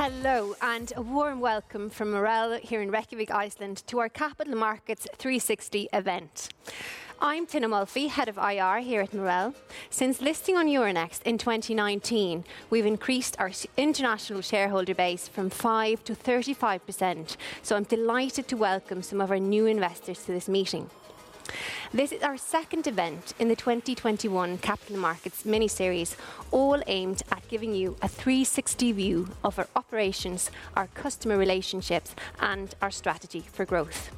Hello, a warm welcome from Marel here in Reykjavík, Iceland, to our Capital Markets 360 Event. I'm Tinna Molphy, Head of IR here at Marel. Since listing on Euronext in 2019, we've increased our international shareholder base from 5% to 35%. I'm delighted to welcome some of our new investors to this meeting. This is our second event in the 2021 Capital Markets miniseries, all aimed at giving you a 360 view of our operations, our customer relationships, and our strategy for growth.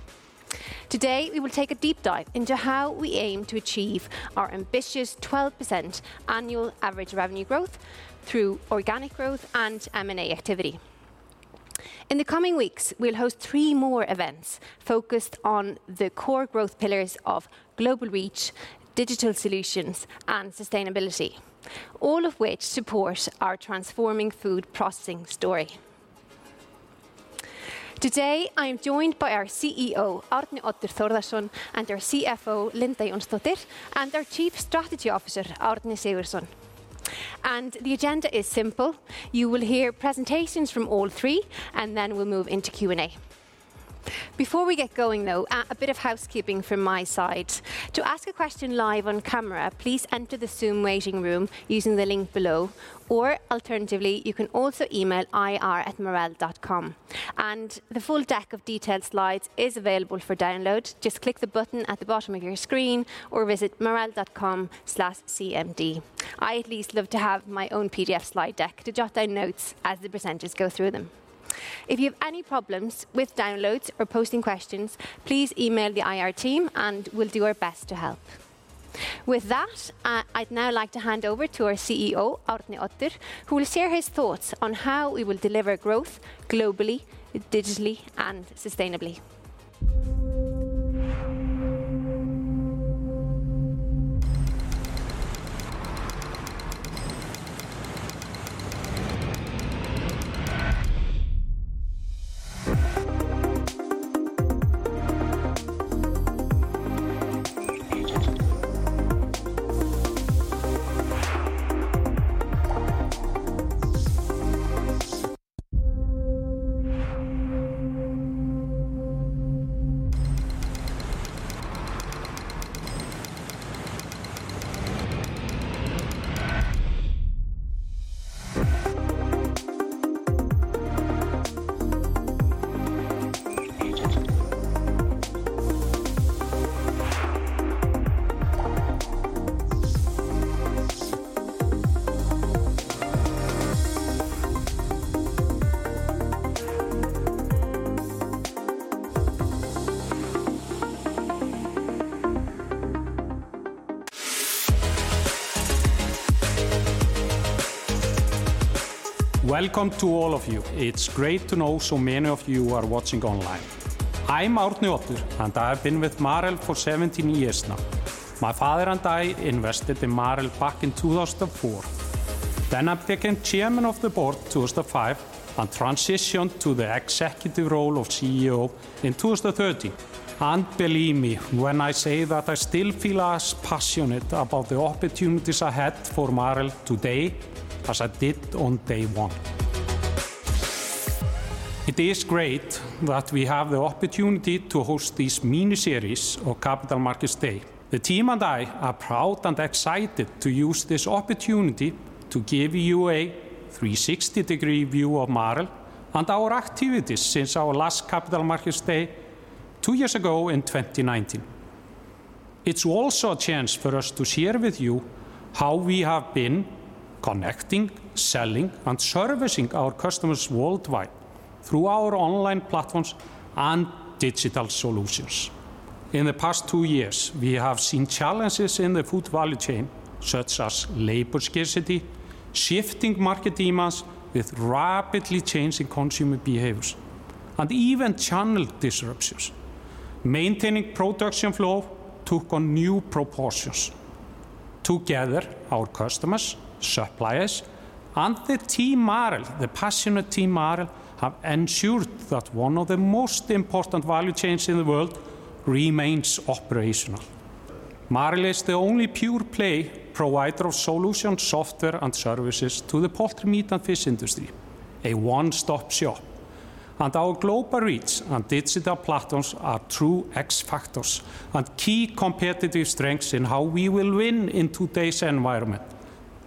Today, we will take a deep dive into how we aim to achieve our ambitious 12% annual average revenue growth through organic growth and M&A activity. In the coming weeks, we'll host three more events focused on the core growth pillars of global reach, digital solutions, and sustainability, all of which support our transforming food processing story. Today, I am joined by our CEO, Arni Oddur Thordarson, and our CFO, Linda Jonsdottir, and our Chief Strategy Officer, Arni Sigurdsson. The agenda is simple. You will hear presentations from all three, and then we'll move into Q&A. Before we get going, though, a bit of housekeeping from my side. To ask a question live on camera, please enter the Zoom waiting room using the link below, or alternatively, you can also email ir@marel.com. The full deck of detailed slides is available for download. Just click the button at the bottom of your screen or visit marel.com/cmd. I at least love to have my own PDF slide deck to jot down notes as the presenters go through them. If you have any problems with downloads or posting questions, please email the IR team, and we'll do our best to help. With that, I'd now like to hand over to our CEO, Arni Oddur, who will share his thoughts on how we will deliver growth globally, digitally, and sustainably. Welcome to all of you. It's great to know so many of you are watching online. I'm Arni Oddur, and I have been with Marel for 17 years now. My father and I invested in Marel back in 2004. Then I became chairman of the board, 2005, and transitioned to the executive role of CEO in 2013. Believe me when I say that I still feel as passionate about the opportunities ahead for Marel today as I did on day one. It is great that we have the opportunity to host this miniseries of Capital Markets Day. The team and I are proud and excited to use this opportunity to give you a 360-degree view of Marel and our activities since our last Capital Markets Day, two years ago in 2019. It's also a chance for us to share with you how we have been connecting, selling, and servicing our customers worldwide through our online platforms and digital solutions. In the past two years, we have seen challenges in the food value chain, such as labor scarcity, shifting market demands with rapidly changing consumer behaviors, and even channel disruptions. Maintaining production flow took on new proportions. Together our customers, suppliers, and the passionate team Marel have ensured that one of the most important value chains in the world remains operational. Marel is the only pure-play provider of solutions, software, and services to the poultry, meat, and fish industry, a one-stop shop. Our global reach and digital platforms are true X factors and key competitive strengths in how we will win in today's environment.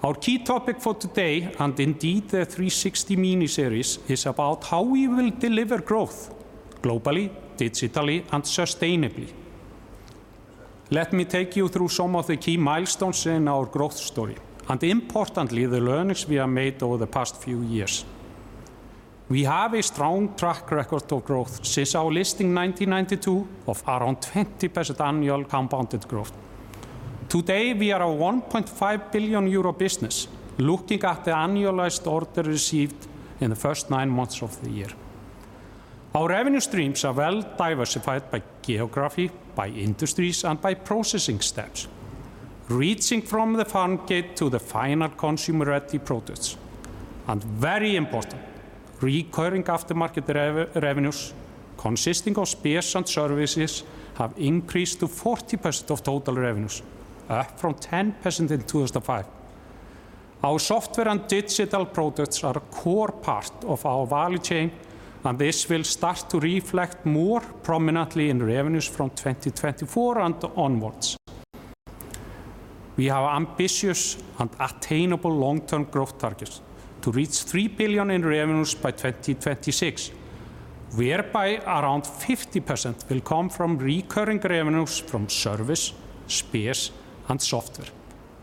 Our key topic for today, and indeed the 360 miniseries, is about how we will deliver growth globally, digitally, and sustainably. Let me take you through some of the key milestones in our growth story and importantly, the learnings we have made over the past few years. We have a strong track record of growth since our listing 1992 of around 20% annual compounded growth. Today, we are a 1.5 billion euro business looking at the annualized order received in the first nine months of the year. Our revenue streams are well diversified by geography, by industries, and by processing steps, reaching from the farm gate to the final consumer-ready products. Very important, recurring aftermarket revenues consisting of spares and services have increased to 40% of total revenues, up from 10% in 2005. Our software and digital products are a core part of our value chain, and this will start to reflect more prominently in revenues from 2024 and onwards. We have ambitious and attainable long-term growth targets to reach 3 billion in revenues by 2026, whereby around 50% will come from recurring revenues from service, spares, and software,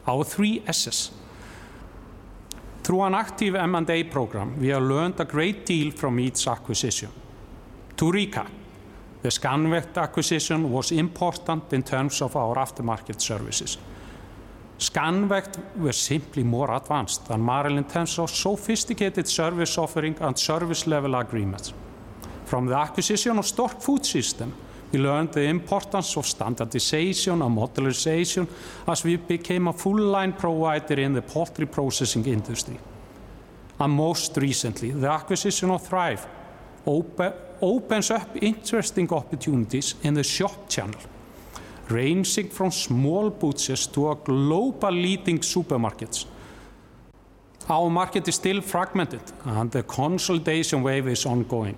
our three SS. Through an active M&A program, we have learned a great deal from each acquisition. To recap, the Scanvaegt acquisition was important in terms of our aftermarket services. Scanvaegt was simply more advanced than Marel in terms of sophisticated service offering and service level agreements. From the acquisition of Stork Food Systems, we learned the importance of standardization and modularization as we became a full line provider in the poultry processing industry. Most recently, the acquisition of TREIF opens up interesting opportunities in the shop channel, ranging from small butchers to our global leading supermarkets. Our market is still fragmented, and the consolidation wave is ongoing.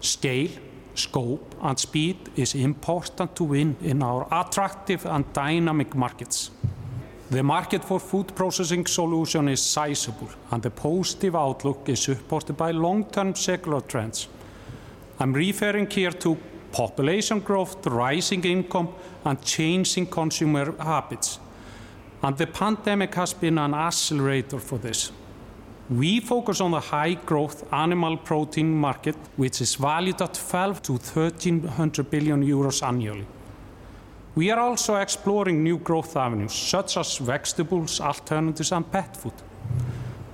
Scale, scope, and speed is important to win in our attractive and dynamic markets. The market for food processing solution is sizable, and the positive outlook is supported by long-term secular trends. I'm referring here to population growth, rising income, and changing consumer habits, and the pandemic has been an accelerator for this. We focus on the high growth animal protein market, which is valued at 1,200 billion-1,300 billion euros annually. We are also exploring new growth avenues, such as vegetables, alternatives, and pet food.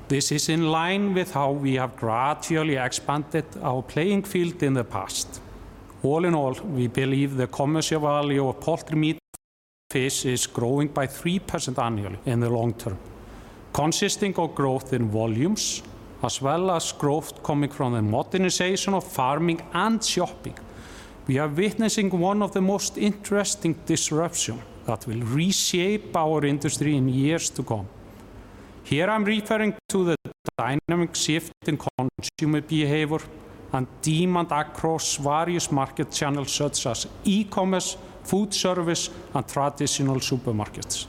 This is in line with how we have gradually expanded our playing field in the past. All in all, we believe the commercial value of poultry, meat, and fish is growing by 3% annually in the long term, consisting of growth in volumes, as well as growth coming from the modernization of farming and shopping. We are witnessing one of the most interesting disruption that will reshape our industry in years to come. Here, I'm referring to the dynamic shift in consumer behavior and demand across various market channels such as e-commerce, food service, and traditional supermarkets.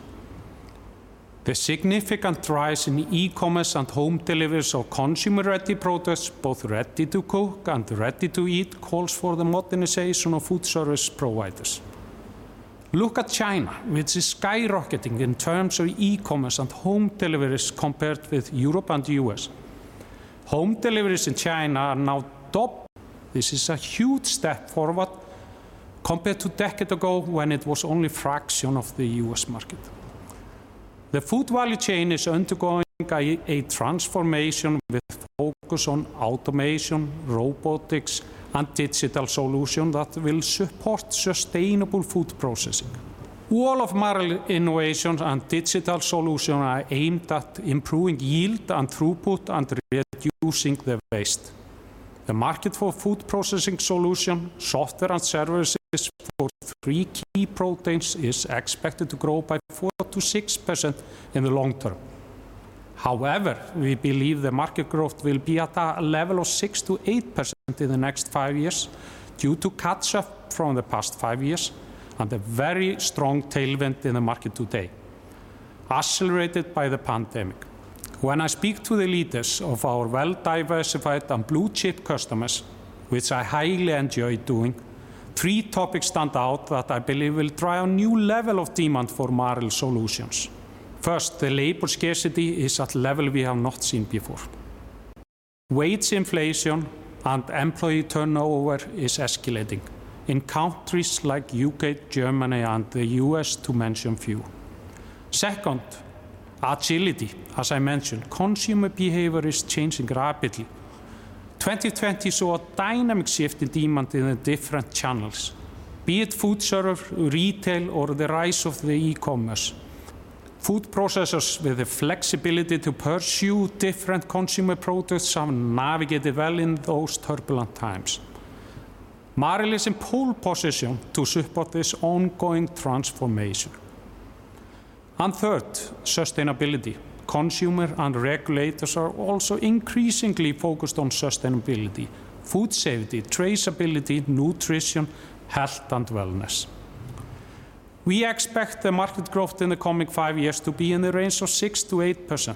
The significant rise in e-commerce and home deliveries of consumer-ready products, both ready to cook and ready to eat, calls for the modernization of food service providers. Look at China, which is skyrocketing in terms of e-commerce and home deliveries compared with Europe and the U.S. Home deliveries in China now double. This is a huge step forward compared to a decade ago when it was only a fraction of the U.S. market. The food value chain is undergoing a transformation with focus on automation, robotics, and digital solution that will support sustainable food processing. All of Marel innovations and digital solution are aimed at improving yield and throughput and reducing the waste. The market for food processing solution, software and services for three key proteins is expected to grow by 4%-6% in the long term. However, we believe the market growth will be at a level of 6%-8% in the next five years due to catch-up from the past five years and a very strong tailwind in the market today, accelerated by the pandemic. When I speak to the leaders of our well-diversified and blue-chip customers, which I highly enjoy doing, three topics stand out that I believe will drive a new level of demand for Marel solutions. First, the labor scarcity is at level we have not seen before. Wage inflation and employee turnover is escalating in countries like U.K., Germany, and the U.S., to mention a few. Second, agility. As I mentioned, consumer behavior is changing rapidly. 2020 saw a dynamic shift in demand in the different channels, be it food service, retail, or the rise of the e-commerce. Food processors with the flexibility to pursue different consumer products have navigated well in those turbulent times. Marel is in pole position to support this ongoing transformation. Third, sustainability. Consumers and regulators are also increasingly focused on sustainability, food safety, traceability, nutrition, health, and wellness. We expect the market growth in the coming five years to be in the range of 6%-8%,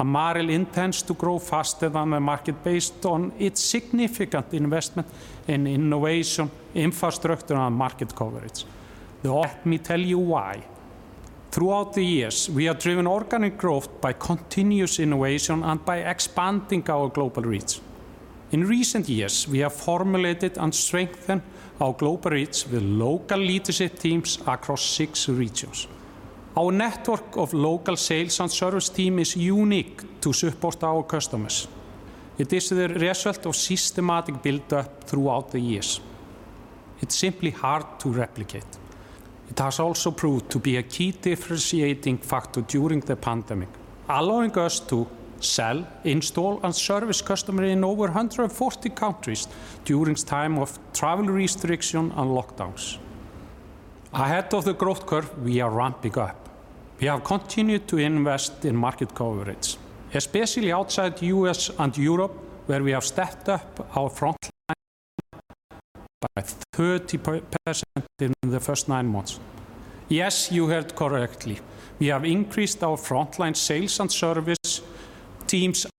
and Marel intends to grow faster than the market based on its significant investment in innovation, infrastructure, and market coverage. Now let me tell you why. Throughout the years, we have driven organic growth by continuous innovation and by expanding our global reach. In recent years, we have formulated and strengthened our global reach with local leadership teams across six regions. Our network of local sales and service team is unique to support our customers. It is the result of systematic build-up throughout the years. It's simply hard to replicate. It has also proved to be a key differentiating factor during the pandemic, allowing us to sell, install, and service customers in over 140 countries during times of travel restriction and lockdowns. Ahead of the growth curve, we are ramping up. We have continued to invest in market coverage, especially outside U.S. and Europe, where we have stepped up our frontline by 30% in the first nine months. Yes, you heard correctly. We have increased our frontline sales and service teams in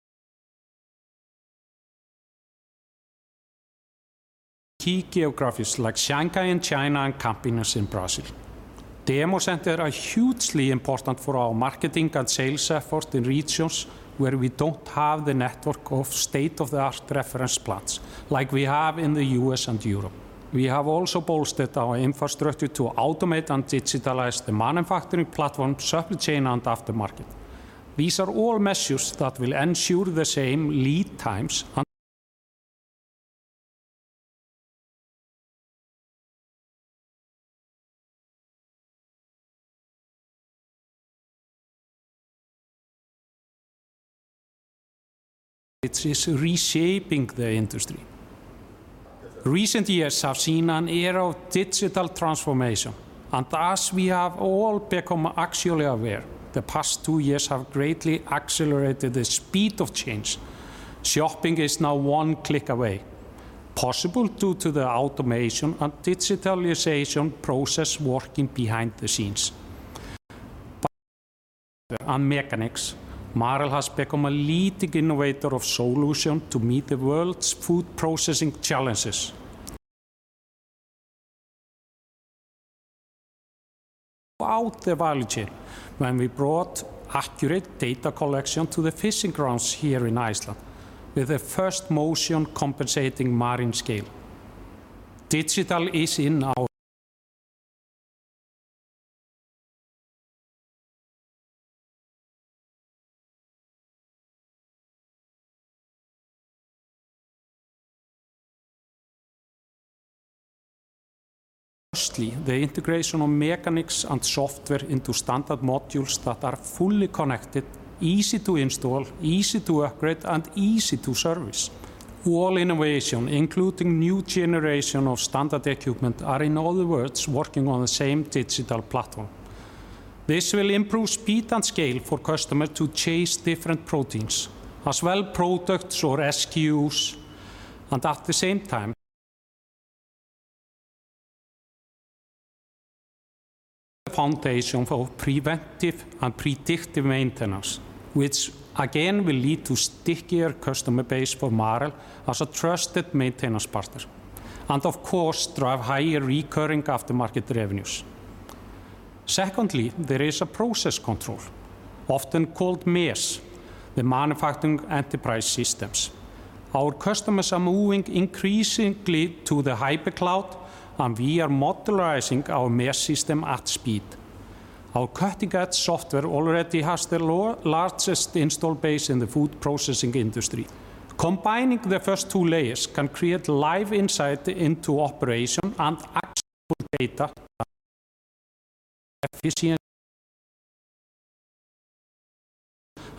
key geographies like Shanghai in China and Campinas in Brazil. Demo centers are hugely important for our marketing and sales effort in regions where we don't have the network of state-of-the-art reference plants, like we have in the U.S. and Europe. We have also bolstered our infrastructure to automate and digitalize the manufacturing platform, supply chain, and aftermarket. These are all measures that will ensure the same lead times and which is reshaping the industry. Recent years have seen an era of digital transformation, and as we have all become actually aware, the past two years have greatly accelerated the speed of change. Shopping is now one click away, possible due to the automation and digitalization process working behind the scenes. Mechanics, Marel has become a leading innovator of solution to meet the world's food processing challenges. The value chain when we brought accurate data collection to the fishing grounds here in Iceland with the first motion-compensating marine scale. Digital is in our DNA. Firstly, the integration of mechanics and software into standard modules that are fully connected, easy to install, easy to upgrade, and easy to service. All innovation, including new generation of standard equipment, are in other words, working on the same digital platform. This will improve speed and scale for customers to chase different proteins, as well as products or SKUs, and at the same time foundation for preventive and predictive maintenance, which again will lead to stickier customer base for Marel as a trusted maintenance partner. Of course, drive higher recurring aftermarket revenues. Secondly, there is a process control, often called MES, the Manufacturing Execution Systems. Our customers are moving increasingly to the cloud, and we are modularizing our MES system at speed. Our cutting-edge software already has the largest install base in the food processing industry. Combining the first two layers can create live insight into operations and actionable data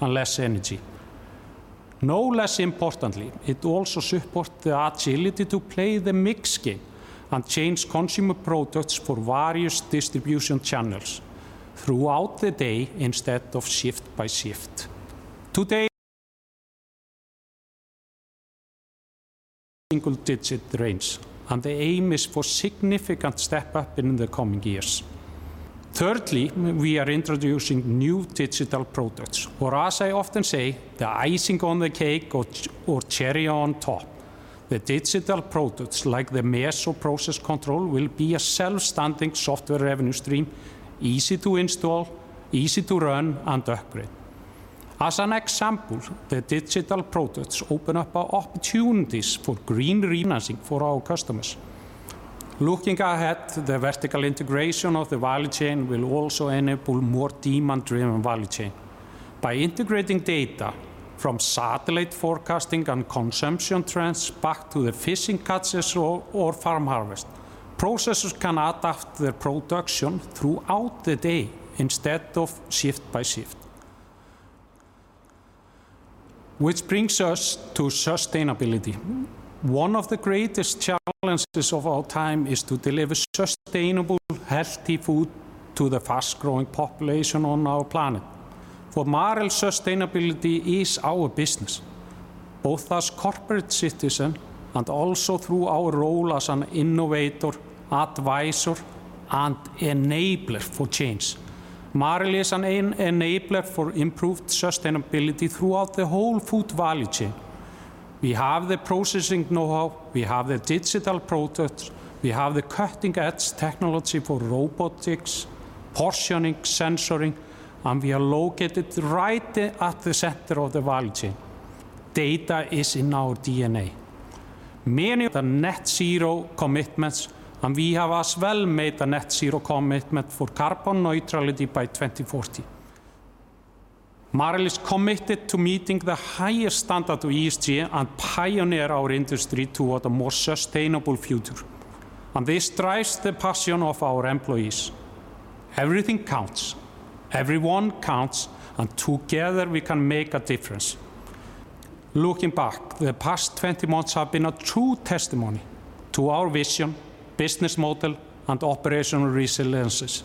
and less energy. No less importantly, it also supports the agility to play the mix game and change consumer products for various distribution channels throughout the day instead of shift by shift. Today, single-digit range, and the aim is for significant step up in the coming years. Thirdly, we are introducing new digital products or, as I often say, the icing on the cake or cherry on top. The digital products like the MES or process control will be a self-standing software revenue stream, easy to install, easy to run, and upgrade. As an example, the digital products open up opportunities for green refinancing for our customers. Looking ahead, the vertical integration of the value chain will also enable more demand-driven value chain. By integrating data from satellite forecasting and consumption trends back to the fishing catches or farm harvest, processors can adapt their production throughout the day instead of shift by shift. Which brings us to sustainability. One of the greatest challenges of our time is to deliver sustainable, healthy food to the fast-growing population on our planet. For Marel, sustainability is our business, both as corporate citizen and also through our role as an innovator, advisor, and enabler for change. Marel is an enabler for improved sustainability throughout the whole food value chain. We have the processing know-how, we have the digital products, we have the cutting-edge technology for robotics, portioning, sensing, and we are located right at the center of the value chain. Data is in our DNA. Many of the net zero commitments, and we have as well made a net zero commitment for carbon neutrality by 2040. Marel is committed to meeting the highest standard to ESG and pioneer our industry toward a more sustainable future, and this drives the passion of our employees. Everything counts, everyone counts, and together we can make a difference. Looking back, the past 20 months have been a true testimony to our vision, business model, and operational resiliences.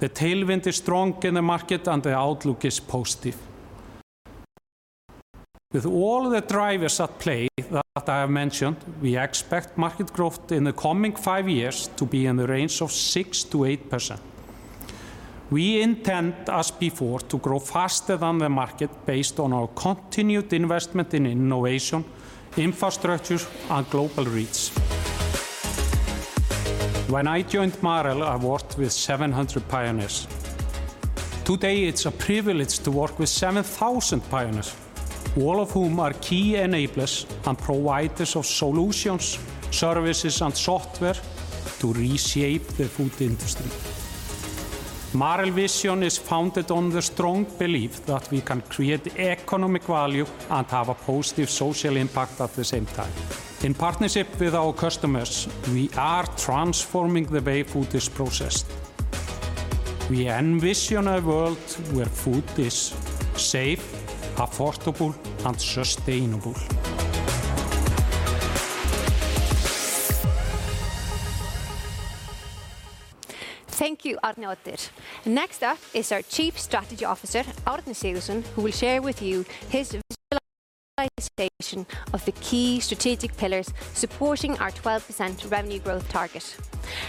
The tailwind is strong in the market and the outlook is positive. With all the drivers at play that I have mentioned, we expect market growth in the coming five years to be in the range of 6%-8%. We intend, as before, to grow faster than the market based on our continued investment in innovation, infrastructure, and global reach. When I joined Marel, I worked with 700 pioneers. Today, it's a privilege to work with 7,000 pioneers, all of whom are key enablers and providers of solutions, services, and software to reshape the food industry. Marel's vision is founded on the strong belief that we can create economic value and have a positive social impact at the same time. In partnership with our customers, we are transforming the way food is processed. We envision a world where food is safe, affordable, and sustainable. Thank you, Arni Oddur. Next up is our Chief Strategy Officer, Arni Sigurdsson, who will share with you his visualization of the key strategic pillars supporting our 12% revenue growth target.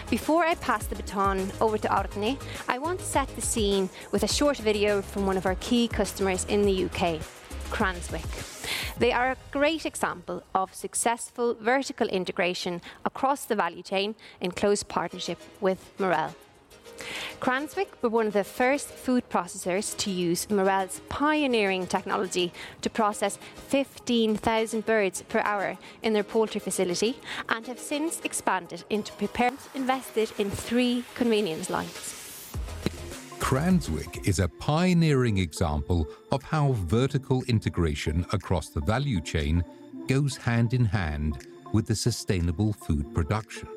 Before I pass the baton over to Arni, I want to set the scene with a short video from one of our key customers in the U.K., Cranswick. They are a great example of successful vertical integration across the value chain in close partnership with Marel. Cranswick were one of the first food processors to use Marel's pioneering technology to process 15,000 birds per hour in their poultry facility and have since expanded into prepared invested in three convenience lines. Cranswick is a pioneering example of how vertical integration across the value chain goes hand in hand with the sustainable food production.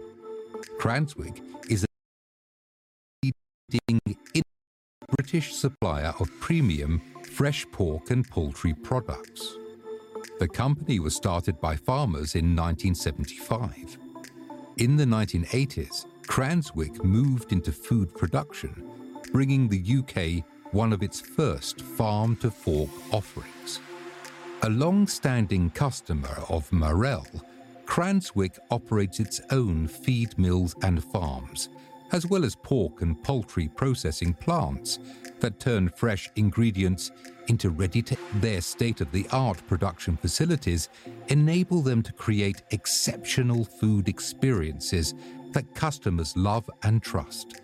Cranswick is a British supplier of premium fresh pork and poultry products. The company was started by farmers in 1975. In the 1980s, Cranswick moved into food production, bringing the U.K. one of its first farm-to-fork offerings. A long-standing customer of Marel, Cranswick operates its own feed mills and farms, as well as pork and poultry processing plants that turn fresh ingredients into ready-to-eat. Their state-of-the-art production facilities enable them to create exceptional food experiences that customers love and trust.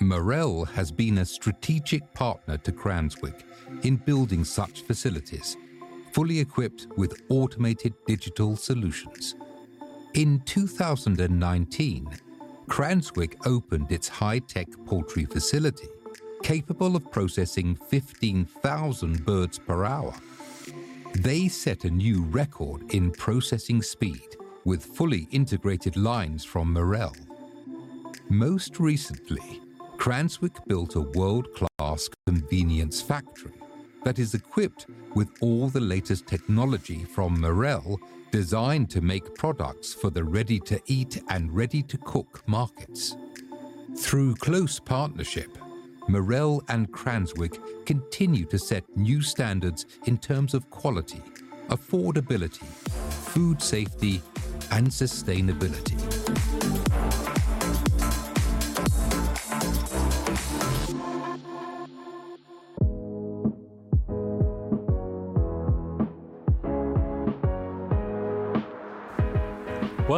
Marel has been a strategic partner to Cranswick in building such facilities, fully equipped with automated digital solutions. In 2019, Cranswick opened its high-tech poultry facility, capable of processing 15,000 birds per hour. They set a new record in processing speed with fully integrated lines from Marel. Most recently, Cranswick built a world-class convenience factory that is equipped with all the latest technology from Marel designed to make products for the ready-to-eat and ready-to-cook markets. Through close partnership, Marel and Cranswick continue to set new standards in terms of quality, affordability, food safety, and sustainability.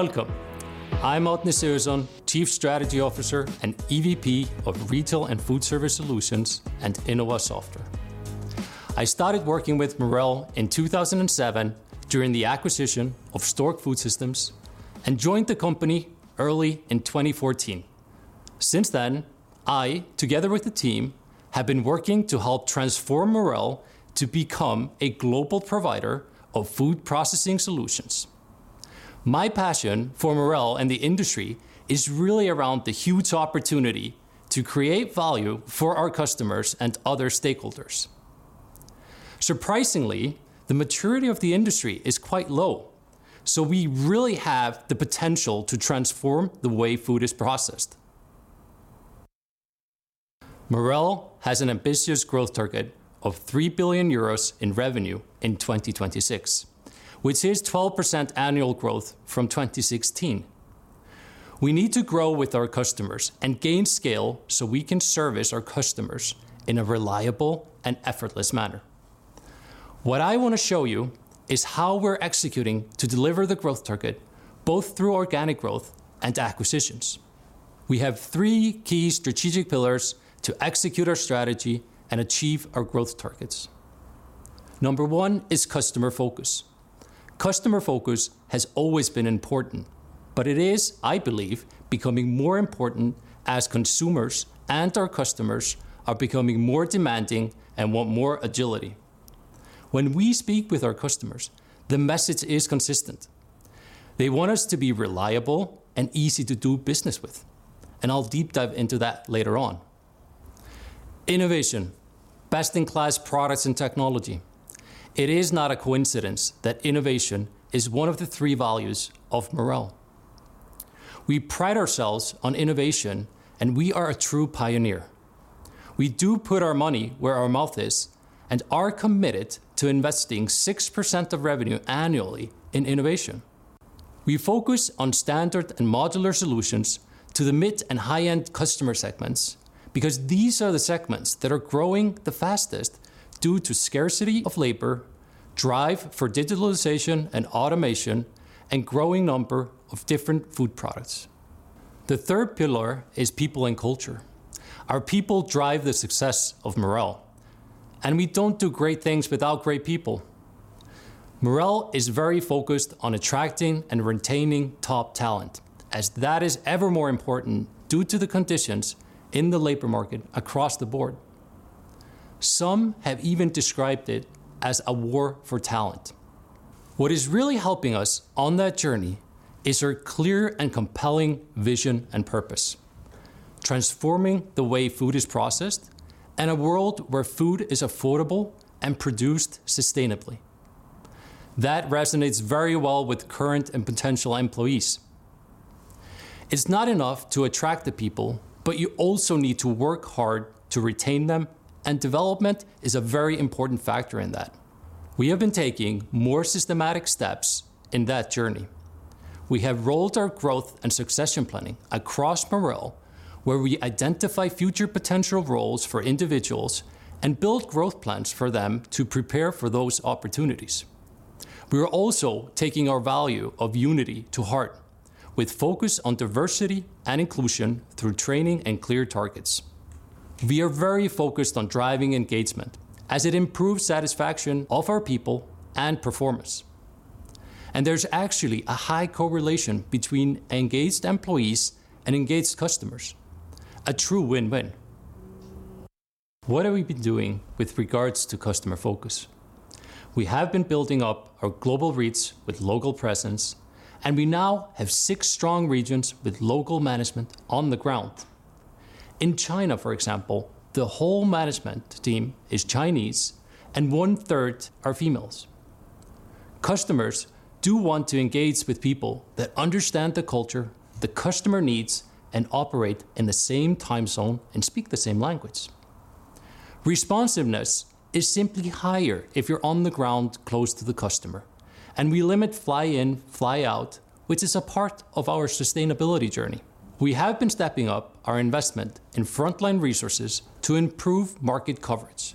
Welcome. I'm Arni Sigurdsson, Chief Strategy Officer and EVP of Retail and Foodservice Solutions and Innova Software. I started working with Marel in 2007 during the acquisition of Stork Food Systems and joined the company early in 2014. Since then, I, together with the team, have been working to help transform Marel to become a global provider of food processing solutions. My passion for Marel and the industry is really around the huge opportunity to create value for our customers and other stakeholders. Surprisingly, the maturity of the industry is quite low, so we really have the potential to transform the way food is processed. Marel has an ambitious growth target of 3 billion euros in revenue in 2026, which is 12% annual growth from 2016. We need to grow with our customers and gain scale so we can service our customers in a reliable and effortless manner. What I want to show you is how we're executing to deliver the growth target, both through organic growth and acquisitions. We have three key strategic pillars to execute our strategy and achieve our growth targets. Number one is customer focus. Customer focus has always been important, but it is, I believe, becoming more important as consumers and our customers are becoming more demanding and want more agility. When we speak with our customers, the message is consistent. They want us to be reliable and easy to do business with, and I'll deep dive into that later on. Innovation, best-in-class products and technology. It is not a coincidence that innovation is one of the three values of Marel. We pride ourselves on innovation, and we are a true pioneer. We do put our money where our mouth is and are committed to investing 6% of revenue annually in innovation. We focus on standard and modular solutions to the mid and high-end customer segments because these are the segments that are growing the fastest due to scarcity of labor, drive for digitalization and automation, and growing number of different food products. The third pillar is people and culture. Our people drive the success of Marel, and we don't do great things without great people. Marel is very focused on attracting and retaining top talent, as that is ever more important due to the conditions in the labor market across the board. Some have even described it as a war for talent. What is really helping us on that journey is our clear and compelling vision and purpose, transforming the way food is processed and a world where food is affordable and produced sustainably. That resonates very well with current and potential employees. It's not enough to attract the people, but you also need to work hard to retain them, and development is a very important factor in that. We have been taking more systematic steps in that journey. We have rolled our growth and succession planning across Marel, where we identify future potential roles for individuals and build growth plans for them to prepare for those opportunities. We are also taking our value of unity to heart with focus on diversity and inclusion through training and clear targets. We are very focused on driving engagement as it improves satisfaction of our people and performance. There's actually a high correlation between engaged employees and engaged customers. A true win-win. What have we been doing with regards to customer focus? We have been building up our global reach with local presence, and we now have six strong regions with local management on the ground. In China, for example, the whole management team is Chinese and one-third are females. Customers do want to engage with people that understand the culture, the customer needs, and operate in the same time zone and speak the same language. Responsiveness is simply higher if you're on the ground close to the customer, and we limit fly in, fly out, which is a part of our sustainability journey. We have been stepping up our investment in frontline resources to improve market coverage.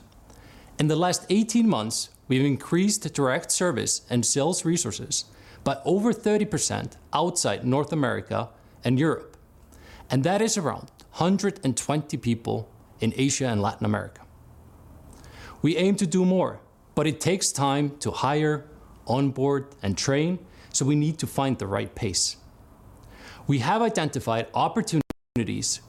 In the last 18 months, we've increased direct service and sales resources by over 30% outside North America and Europe, and that is around 120 people in Asia and Latin America. We aim to do more, but it takes time to hire, onboard, and train, so we need to find the right pace. We have identified opportunities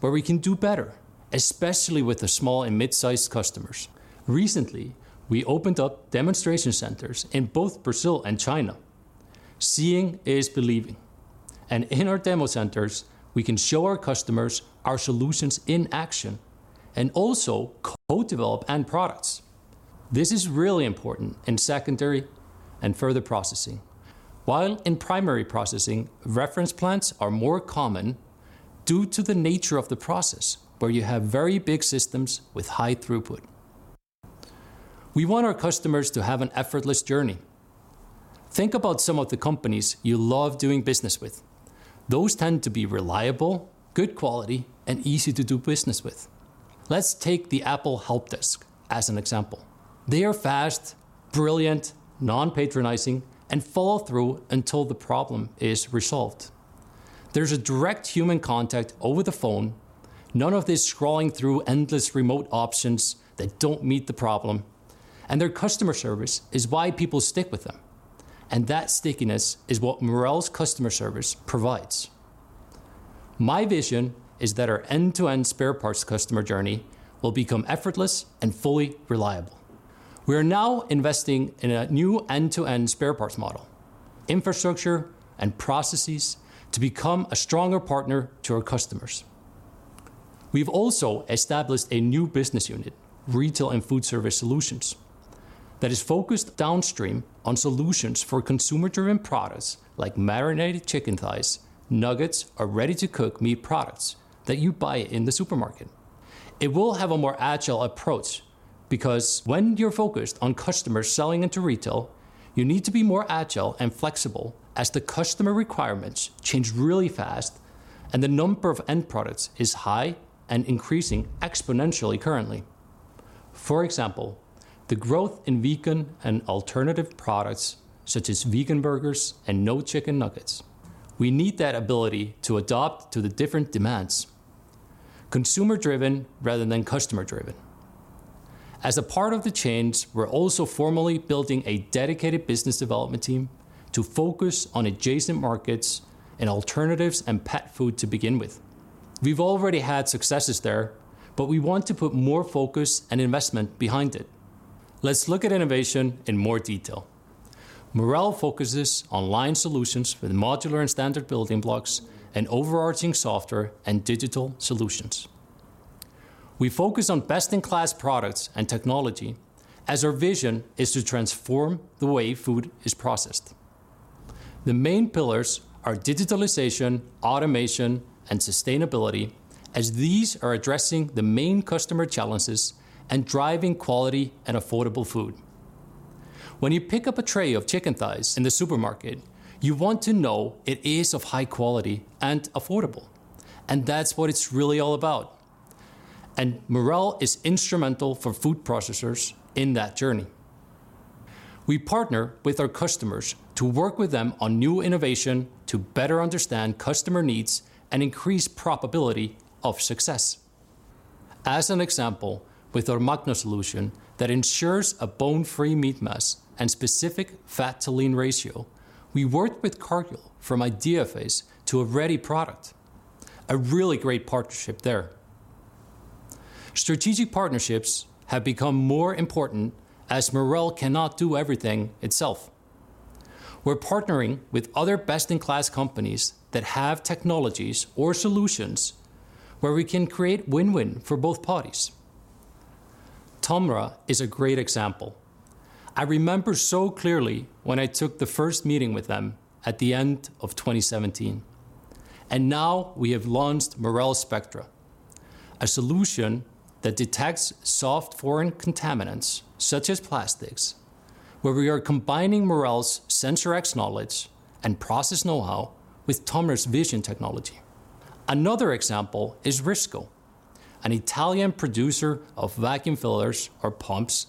where we can do better, especially with the small and mid-sized customers. Recently, we opened up demonstration centers in both Brazil and China. Seeing is believing, and in our demo centers, we can show our customers our solutions in action and also co-develop end products. This is really important in secondary and further processing. While in primary processing, reference plants are more common due to the nature of the process where you have very big systems with high throughput. We want our customers to have an effortless journey. Think about some of the companies you love doing business with. Those tend to be reliable, good quality, and easy to do business with. Let's take the Apple Help Desk as an example. They are fast, brilliant, non-patronizing, and follow through until the problem is resolved. There's a direct human contact over the phone. None of this scrolling through endless remote options that don't meet the problem. Their customer service is why people stick with them, and that stickiness is what Marel's customer service provides. My vision is that our end-to-end spare parts customer journey will become effortless and fully reliable. We are now investing in a new end-to-end spare parts model, infrastructure, and processes to become a stronger partner to our customers. We've also established a new business unit, retail and food service solutions, that is focused downstream on solutions for consumer-driven products like marinated chicken thighs, nuggets, or ready-to-cook meat products that you buy in the supermarket. It will have a more agile approach because when you're focused on customers selling into retail, you need to be more agile and flexible as the customer requirements change really fast and the number of end products is high and increasing exponentially currently. For example, the growth in vegan and alternative products such as vegan burgers and no chicken nuggets. We need that ability to adapt to the different demands. Consumer-driven rather than customer-driven. As part of the change, we're also formally building a dedicated business development team to focus on adjacent markets and alternatives in pet food to begin with. We've already had successes there, but we want to put more focus and investment behind it. Let's look at innovation in more detail. Marel focuses on line solutions with modular and standard building blocks and overarching software and digital solutions. We focus on best-in-class products and technology as our vision is to transform the way food is processed. The main pillars are digitalization, automation, and sustainability, as these are addressing the main customer challenges and driving quality and affordable food. When you pick up a tray of chicken thighs in the supermarket, you want to know it is of high quality and affordable, and that's what it's really all about, and Marel is instrumental for food processors in that journey. We partner with our customers to work with them on new innovation to better understand customer needs and increase probability of success. As an example, with our Magna solution that ensures a bone-free meat mass and specific fat-to-lean ratio, we worked with Cargill from idea phase to a ready product. A really great partnership there. Strategic partnerships have become more important as Marel cannot do everything itself. We're partnering with other best-in-class companies that have technologies or solutions where we can create win-win for both parties. TOMRA is a great example. I remember so clearly when I took the first meeting with them at the end of 2017, and now we have launched Marel Spectra, a solution that detects soft foreign contaminants such as plastics, where we are combining Marel's SensorX knowledge and process know-how with TOMRA's vision technology. Another example is Risco, an Italian producer of vacuum fillers or pumps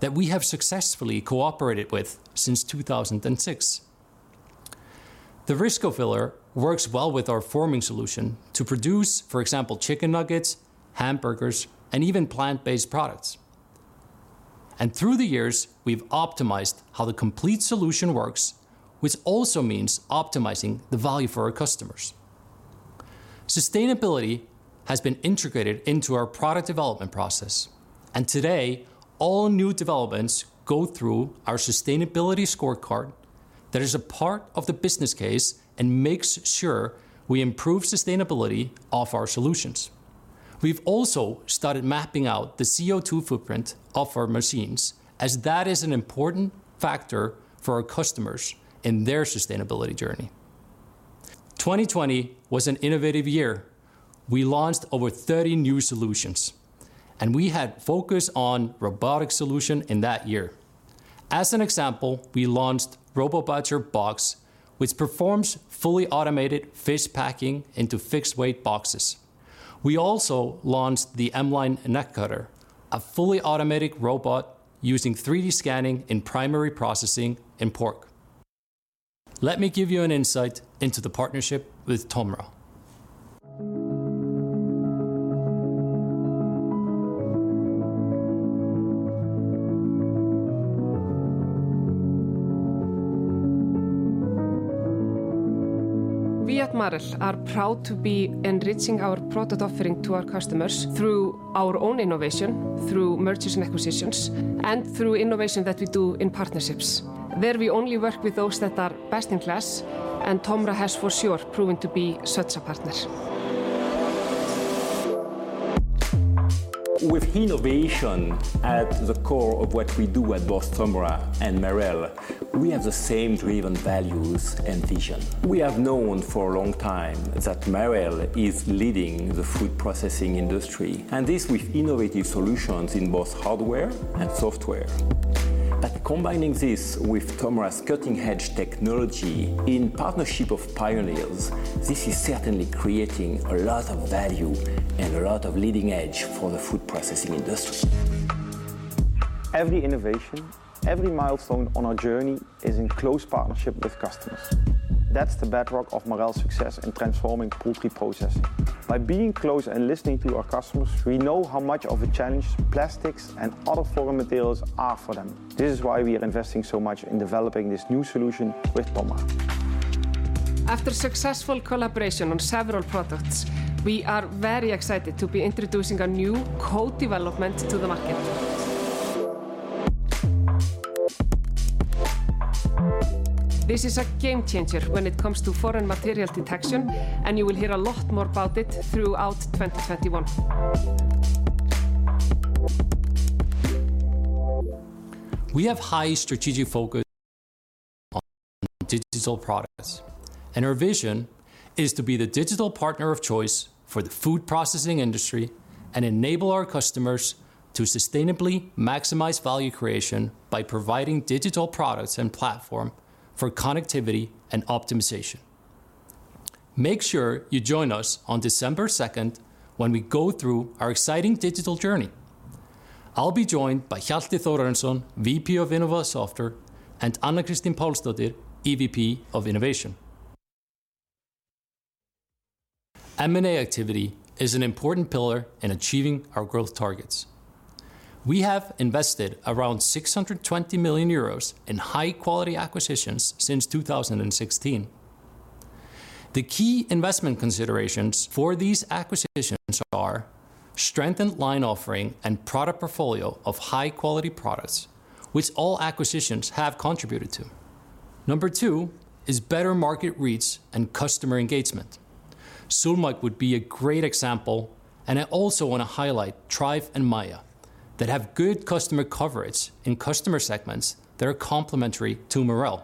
that we have successfully cooperated with since 2006. The Risco filler works well with our forming solution to produce, for example, chicken nuggets, hamburgers, and even plant-based products. Through the years, we've optimized how the complete solution works, which also means optimizing the value for our customers. Sustainability has been integrated into our product development process, and today, all new developments go through our sustainability scorecard that is a part of the business case and makes sure we improve sustainability of our solutions. We've also started mapping out the CO2 footprint of our machines, as that is an important factor for our customers in their sustainability journey. 2020 was an innovative year. We launched over 30 new solutions, and we had focus on robotic solution in that year. As an example, we launched RoboBatcher Box, which performs fully automated fish packing into fixed-weight boxes. We also launched the M-Line Neck Cutter, a fully automated robot using 3D scanning in primary processing in pork. Let me give you an insight into the partnership with TOMRA. We at Marel are proud to be enriching our product offering to our customers through our own innovation, through mergers and acquisitions, and through innovation that we do in partnerships, where we only work with those that are best in class, and TOMRA has for sure proven to be such a partner. With innovation at the core of what we do at both TOMRA and Marel, we have the same driven values and vision. We have known for a long time that Marel is leading the food processing industry, and this with innovative solutions in both hardware and software. Combining this with TOMRA's cutting-edge technology in partnership of pioneers, this is certainly creating a lot of value and a lot of leading edge for the food processing industry. Every innovation, every milestone on our journey is in close partnership with customers. That's the bedrock of Marel's success in transforming poultry processing. By being close and listening to our customers, we know how much of a challenge plastics and other foreign materials are for them. This is why we are investing so much in developing this new solution with TOMRA. After successful collaboration on several products, we are very excited to be introducing a new co-development to the market. This is a game changer when it comes to foreign material detection, and you will hear a lot more about it throughout 2021. We have high strategic focus on digital products, and our vision is to be the digital partner of choice for the food processing industry and enable our customers to sustainably maximize value creation by providing digital products and platform for connectivity and optimization. Make sure you join us on December second when we go through our exciting digital journey. I'll be joined by Hjalti Thorarinsson, VP of Innova Software, and Anna Kristin Palsdottir, EVP of Innovation. M&A activity is an important pillar in achieving our growth targets. We have invested around 620 million euros in high-quality acquisitions since 2016. The key investment considerations for these acquisitions are strengthened line offering and product portfolio of high-quality products, which all acquisitions have contributed to. Number two is better market reach and customer engagement. Sulmaq would be a great example, and I also wanna highlight TREIF and MAJA that have good customer coverage in customer segments that are complementary to Marel.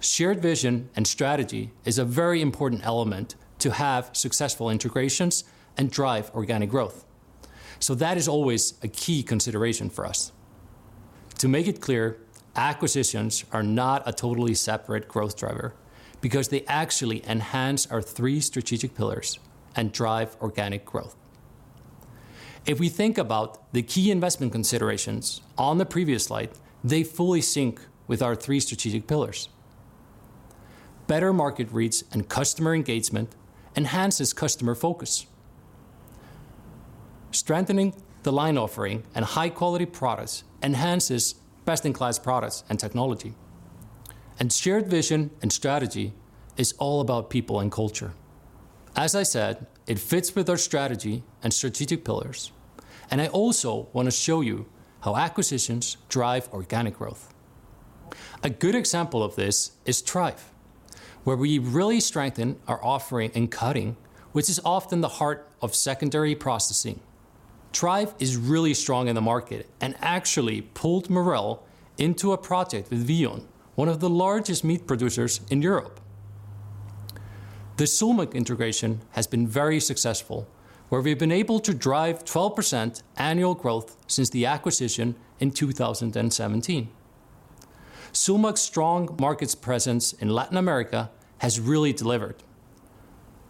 Shared vision and strategy is a very important element to have successful integrations and drive organic growth. That is always a key consideration for us. To make it clear, acquisitions are not a totally separate growth driver because they actually enhance our three strategic pillars and drive organic growth. If we think about the key investment considerations on the previous slide, they fully sync with our three strategic pillars. Better market reach and customer engagement enhances customer focus. Strengthening the line offering and high-quality products enhances best-in-class products and technology. Shared vision and strategy is all about people and culture. As I said, it fits with our strategy and strategic pillars, and I also wanna show you how acquisitions drive organic growth. A good example of this is TREIF, where we really strengthen our offering in cutting, which is often the heart of secondary processing. TREIF is really strong in the market and actually pulled Marel into a project with Vion, one of the largest meat producers in Europe. The Sulmaq integration has been very successful, where we've been able to drive 12% annual growth since the acquisition in 2017. Sulmaq's strong markets presence in Latin America has really delivered.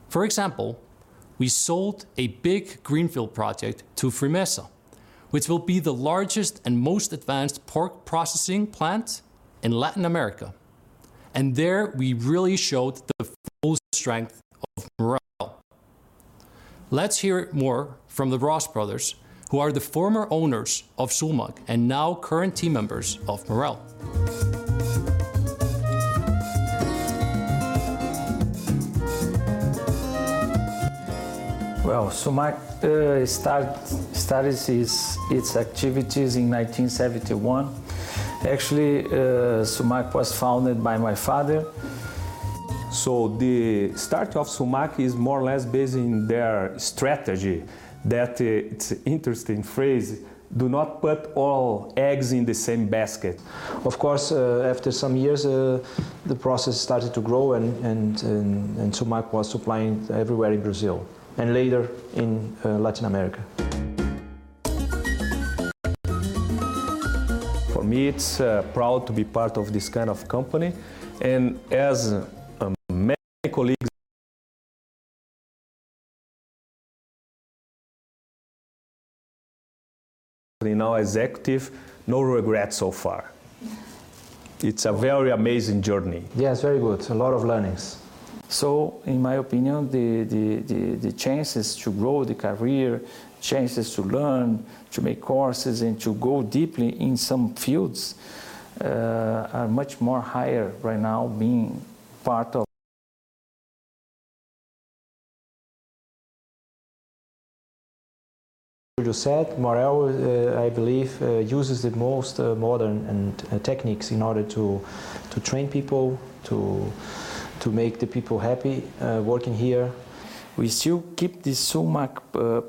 For example, we sold a big greenfield project to Frimesa, which will be the largest and most advanced pork processing plant in Latin America. There, we really showed the full strength of Marel. Let's hear more from the Roos brothers, who are the former owners of Sulmaq and now current team members of Marel. Well, Sulmaq started its activities in 1971. Actually, Sulmaq was founded by my father. The start of Sulmaq is more or less based on their strategy that it's an interesting phrase, do not put all eggs in the same basket. Of course, after some years, the process started to grow and Sulmaq was supplying everywhere in Brazil and later in Latin America. For me, I'm proud to be part of this kind of company as many colleagues, now executives, no regrets so far. It's a very amazing journey. Yes, very good. A lot of learnings. In my opinion, the chances to grow the career, chances to learn, to make courses, and to go deeply in some fields are much more higher right now being part of Marel. I believe uses the most modern techniques in order to train people, to make the people happy working here. We still keep the Sulmaq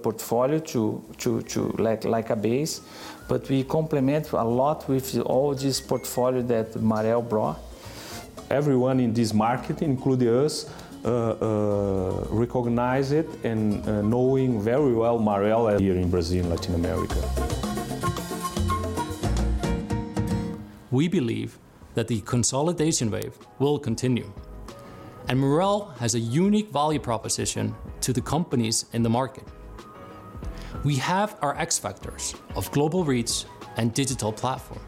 portfolio to like a base, but we complement a lot with all this portfolio that Marel brought. Everyone in this market, including us, recognize it and knowing very well Marel here in Brazil and Latin America. We believe that the consolidation wave will continue, and Marel has a unique value proposition to the companies in the market. We have our X factors of global reach and digital platform,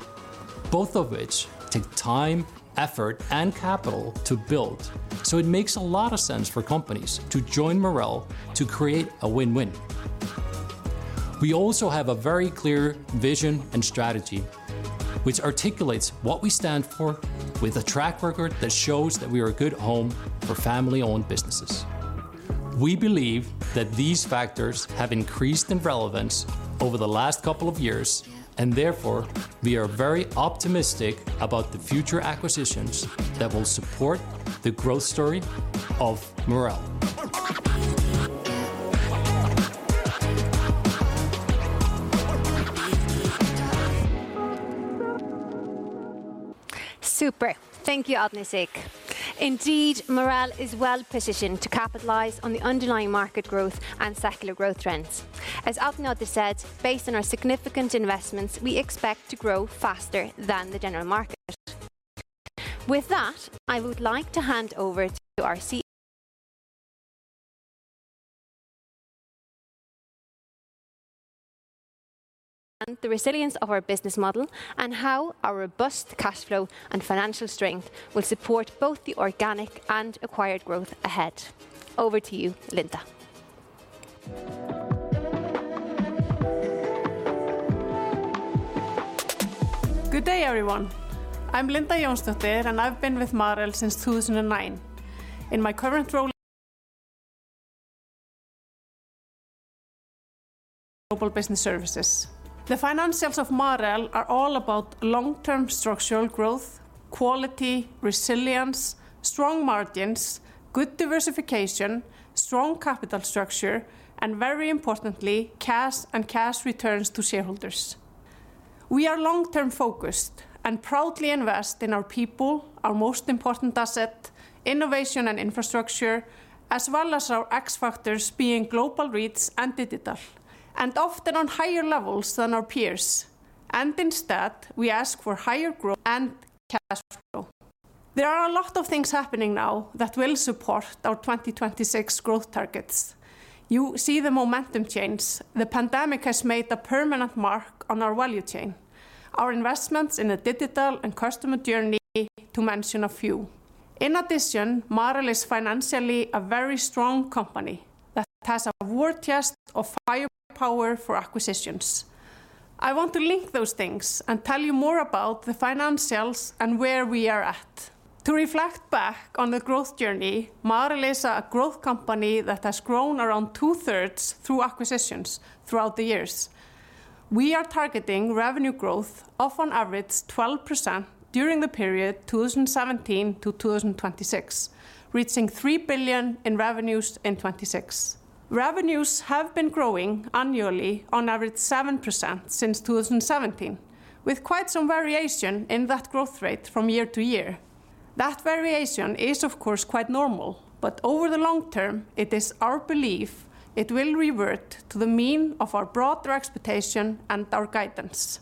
both of which take time, effort, and capital to build. It makes a lot of sense for companies to join Marel to create a win-win. We also have a very clear vision and strategy, which articulates what we stand for with a track record that shows that we are a good home for family-owned businesses. We believe that these factors have increased in relevance over the last couple of years, and therefore, we are very optimistic about the future acquisitions that will support the growth story of Marel. Super. Thank you, Arni Sigurdsson. Indeed, Marel is well-positioned to capitalize on the underlying market growth and secular growth trends. As Arni Sigurdsson said, based on our significant investments, we expect to grow faster than the general market. With that, I would like to hand over to our CFO. The resilience of our business model and how our robust cash flow and financial strength will support both the organic and acquired growth ahead. Over to you, Linda. Good day, everyone. I'm Linda Jonsdottir, and I've been with Marel since 2009. In my current role, Global Business Services. The financials of Marel are all about long-term structural growth, quality, resilience, strong margins, good diversification, strong capital structure, and very importantly, cash and cash returns to shareholders. We are long-term focused and proudly invest in our people, our most important asset, innovation and infrastructure, as well as our X factors being global reach and digital, and often on higher levels than our peers. Instead, we ask for higher growth and cash flow. There are a lot of things happening now that will support our 2026 growth targets. You see the momentum change. The pandemic has made a permanent mark on our value chain. Our investments in the digital and customer journey, to mention a few. In addition, Marel is financially a very strong company that has a war chest of firepower for acquisitions. I want to link those things and tell you more about the financials and where we are at. To reflect back on the growth journey, Marel is a growth company that has grown around two-thirds through acquisitions throughout the years. We are targeting revenue growth of on average 12% during the period 2017-2026, reaching 3 billion in revenues in 2026. Revenues have been growing annually on average 7% since 2017, with quite some variation in that growth rate from year to year. That variation is of course quite normal, but over the long term, it is our belief it will revert to the mean of our broader expectation and our guidance.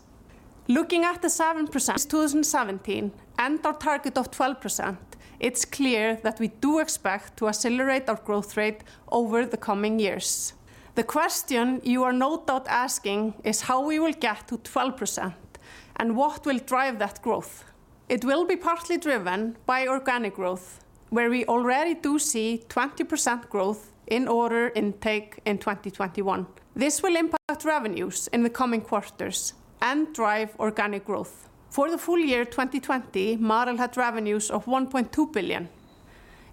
Looking at the 7% since 2017 and our target of 12%, it's clear that we do expect to accelerate our growth rate over the coming years. The question you are no doubt asking is how we will get to 12% and what will drive that growth. It will be partly driven by organic growth, where we already do see 20% growth in order intake in 2021. This will impact revenues in the coming quarters and drive organic growth. For the full year 2020, Marel had revenues of 1.2 billion.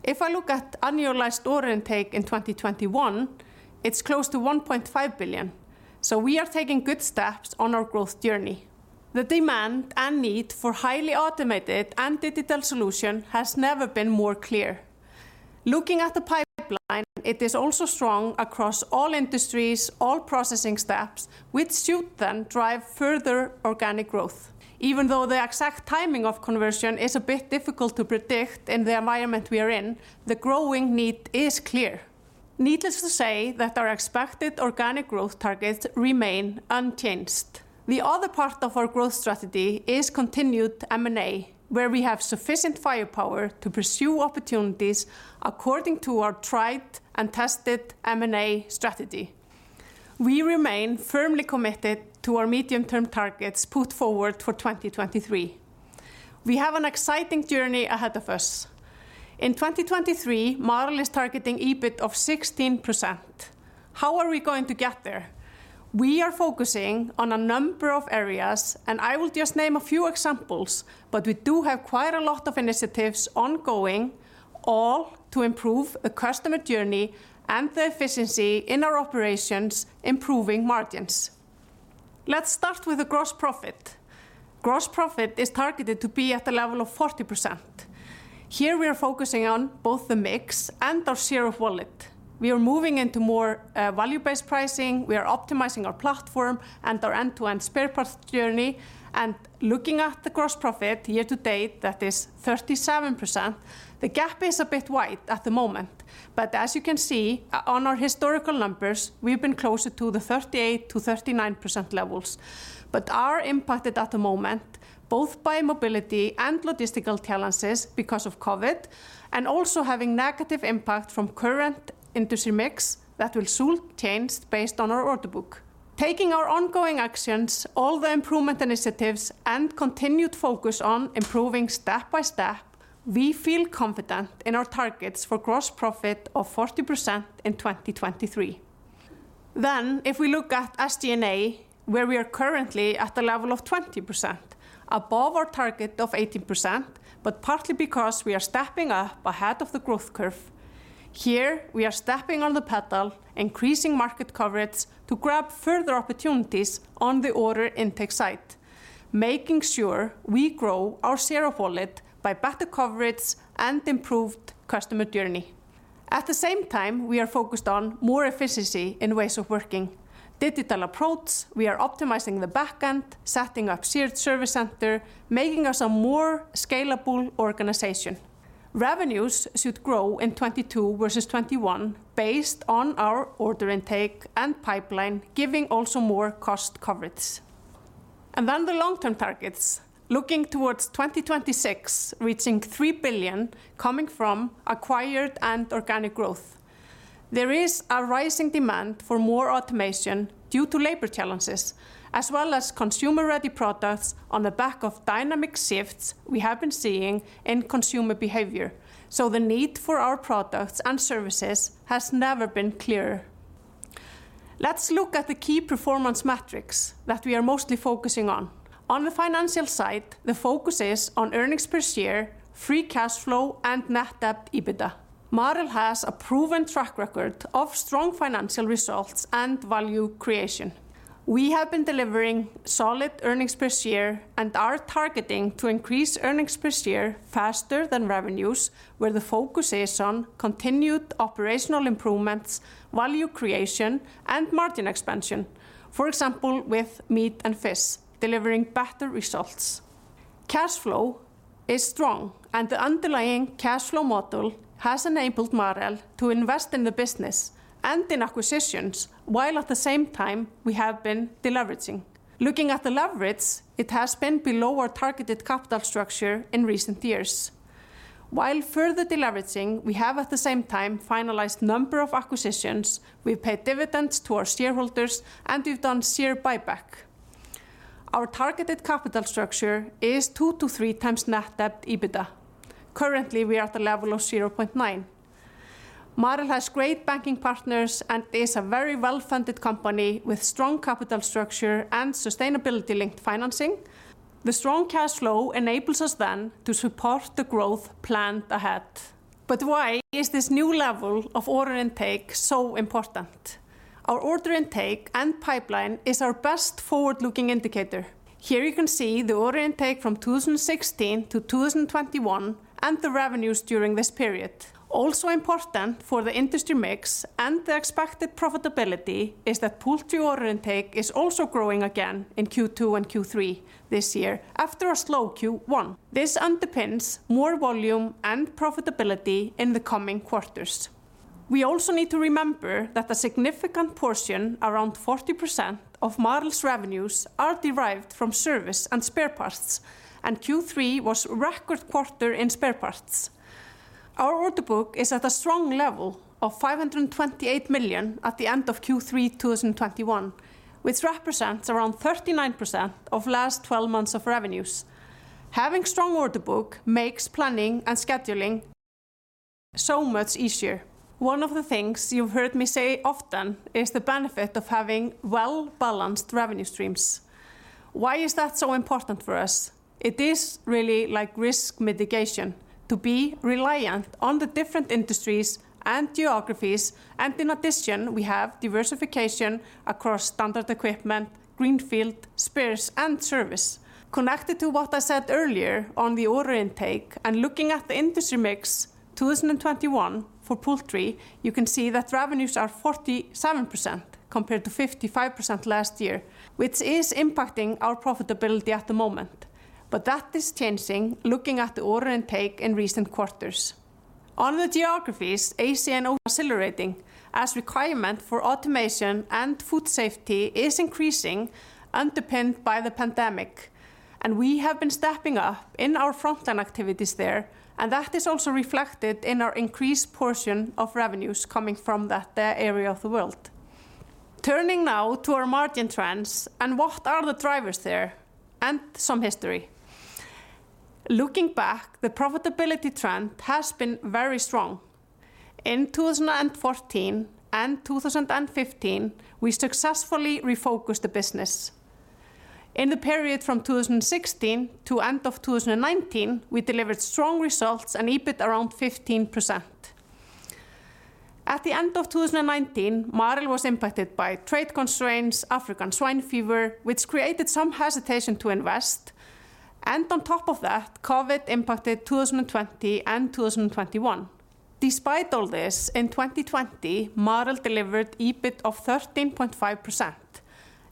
If I look at annualized order intake in 2021, it's close to 1.5 billion, so we are taking good steps on our growth journey. The demand and need for highly automated and digital solution has never been more clear. Looking at the pipeline, it is also strong across all industries, all processing steps, which should then drive further organic growth. Even though the exact timing of conversion is a bit difficult to predict in the environment we are in, the growing need is clear. Needless to say that our expected organic growth targets remain unchanged. The other part of our growth strategy is continued M&A, where we have sufficient firepower to pursue opportunities according to our tried and tested M&A strategy. We remain firmly committed to our medium-term targets put forward for 2023. We have an exciting journey ahead of us. In 2023, Marel is targeting EBIT of 16%. How are we going to get there? We are focusing on a number of areas, and I will just name a few examples, but we do have quite a lot of initiatives ongoing, all to improve the customer journey and the efficiency in our operations, improving margins. Let's start with the gross profit. Gross profit is targeted to be at a level of 40%. Here, we are focusing on both the mix and our share of wallet. We are moving into more value-based pricing. We are optimizing our platform and our end-to-end spare parts journey. Looking at the gross profit year to date, that is 37%. The gap is a bit wide at the moment. As you can see on our historical numbers, we've been closer to the 38%-39% levels. Are impacted at the moment both by mobility and logistical challenges because of COVID, and also having negative impact from current industry mix that will soon change based on our order book. Taking our ongoing actions, all the improvement initiatives, and continued focus on improving step by step, we feel confident in our targets for gross profit of 40% in 2023. If we look at SG&A, where we are currently at a level of 20%, above our target of 18%, but partly because we are stepping up ahead of the growth curve. Here, we are stepping on the pedal, increasing market coverage to grab further opportunities on the order intake side, making sure we grow our share of wallet by better coverage and improved customer journey. At the same time, we are focused on more efficiency in ways of working. Digital approach, we are optimizing the back end, setting up shared service center, making us a more scalable organization. Revenues should grow in 2022 versus 2021 based on our order intake and pipeline, giving also more cost coverage. The long-term targets. Looking towards 2026, reaching 3 billion, coming from acquired and organic growth. There is a rising demand for more automation due to labor challenges, as well as consumer-ready products on the back of dynamic shifts we have been seeing in consumer behavior. The need for our products and services has never been clearer. Let's look at the key performance metrics that we are mostly focusing on. On the financial side, the focus is on earnings per share, free cash flow, and net debt/EBITDA. Marel has a proven track record of strong financial results and value creation. We have been delivering solid earnings per share and are targeting to increase earnings per share faster than revenues, where the focus is on continued operational improvements, value creation, and margin expansion. For example, with meat and fish delivering better results. Cash flow is strong, and the underlying cash flow model has enabled Marel to invest in the business and in acquisitions, while at the same time we have been deleveraging. Looking at the leverage, it has been below our targeted capital structure in recent years. While further deleveraging, we have at the same time finalized a number of acquisitions, paid dividends to our shareholders, and done share buyback. Our targeted capital structure is 2-3x net debt to EBITDA. Currently, we are at a level of 0.9. Marel has great banking partners and is a very well-funded company with strong capital structure and sustainability linked financing. The strong cash flow enables us then to support the growth planned ahead. Why is this new level of order intake so important? Our order intake and pipeline is our best forward-looking indicator. Here you can see the order intake from 2016 to 2021, and the revenues during this period. Also important for the industry mix and the expected profitability is that poultry order intake is also growing again in Q2 and Q3 this year after a slow Q1. This underpins more volume and profitability in the coming quarters. We also need to remember that a significant portion, around 40%, of Marel's revenues are derived from service and spare parts, and Q3 was record quarter in spare parts. Our order book is at a strong level of 528 million at the end of Q3 2021, which represents around 39% of last twelve months of revenues. Having strong order book makes planning and scheduling so much easier. One of the things you've heard me say often is the benefit of having well-balanced revenue streams. Why is that so important for us? It is really like risk mitigation to be reliant on the different industries and geographies, and in addition, we have diversification across standard equipment, greenfield, spares, and service. Connected to what I said earlier on the order intake and looking at the industry mix 2021 for poultry, you can see that revenues are 47% compared to 55% last year, which is impacting our profitability at the moment. That is changing looking at the order intake in recent quarters. On the geographies, AC&O accelerating as requirement for automation and food safety is increasing, underpinned by the pandemic. We have been stepping up in our frontline activities there, and that is also reflected in our increased portion of revenues coming from that, area of the world. Turning now to our margin trends and what are the drivers there, and some history. Looking back, the profitability trend has been very strong. In 2014 and 2015, we successfully refocused the business. In the period from 2016 to end of 2019, we delivered strong results and EBIT around 15%. At the end of 2019, Marel was impacted by trade constraints, African swine fever, which created some hesitation to invest, and on top of that, COVID impacted 2020 and 2021. Despite all this, in 2020, Marel delivered EBIT of 13.5%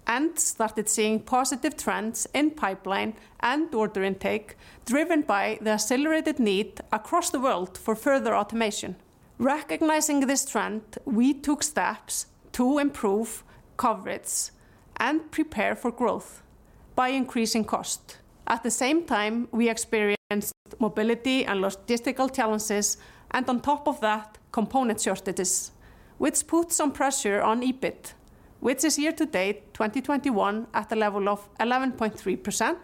and started seeing positive trends in pipeline and order intake, driven by the accelerated need across the world for further automation. Recognizing this trend, we took steps to improve coverage and prepare for growth by increasing cost. At the same time, we experienced mobility and logistical challenges and, on top of that, component shortages, which put some pressure on EBIT, which is year to date, 2021, at a level of 11.3%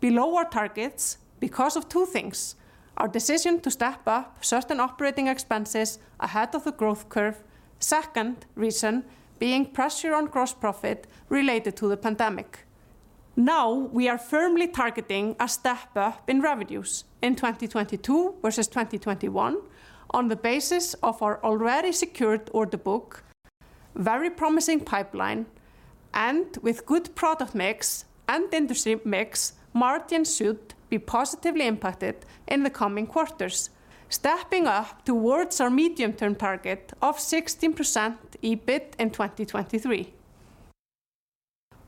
below our targets because of two things. Our decision to step up certain operating expenses ahead of the growth curve. Second reason being pressure on gross profit related to the pandemic. Now, we are firmly targeting a step up in revenues in 2022 versus 2021 on the basis of our already secured order book, very promising pipeline. With good product mix and industry mix, margin should be positively impacted in the coming quarters, stepping up towards our medium-term target of 16% EBIT in 2023.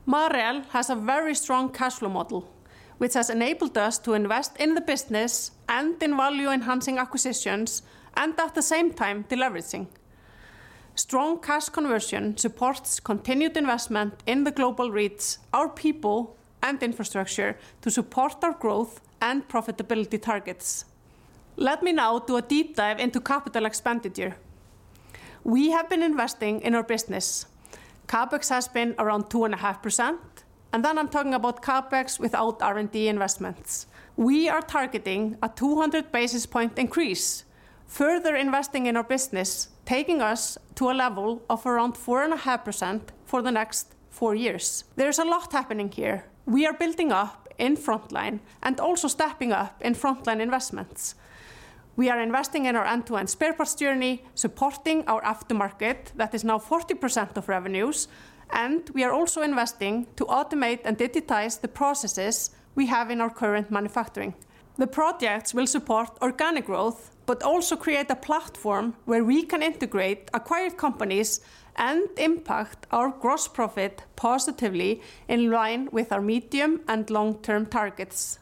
Marel has a very strong cash flow model, which has enabled us to invest in the business and in value-enhancing acquisitions and at the same time, deleveraging. Strong cash conversion supports continued investment in the global R&D, our people, and infrastructure to support our growth and profitability targets. Let me now do a deep dive into CapEx. We have been investing in our business. CapEx has been around 2.5%, and then I'm talking about CapEx without R&D investments. We are targeting a 200 basis point increase, further investing in our business, taking us to a level of around 4.5% for the next four years. There's a lot happening here. We are building up in frontline and also stepping up in frontline investments. We are investing in our end-to-end spare parts journey, supporting our aftermarket, that is now 40% of revenues, and we are also investing to automate and digitize the processes we have in our current manufacturing. The projects will support organic growth, but also create a platform where we can integrate acquired companies and impact our gross profit positively in line with our medium and long-term targets.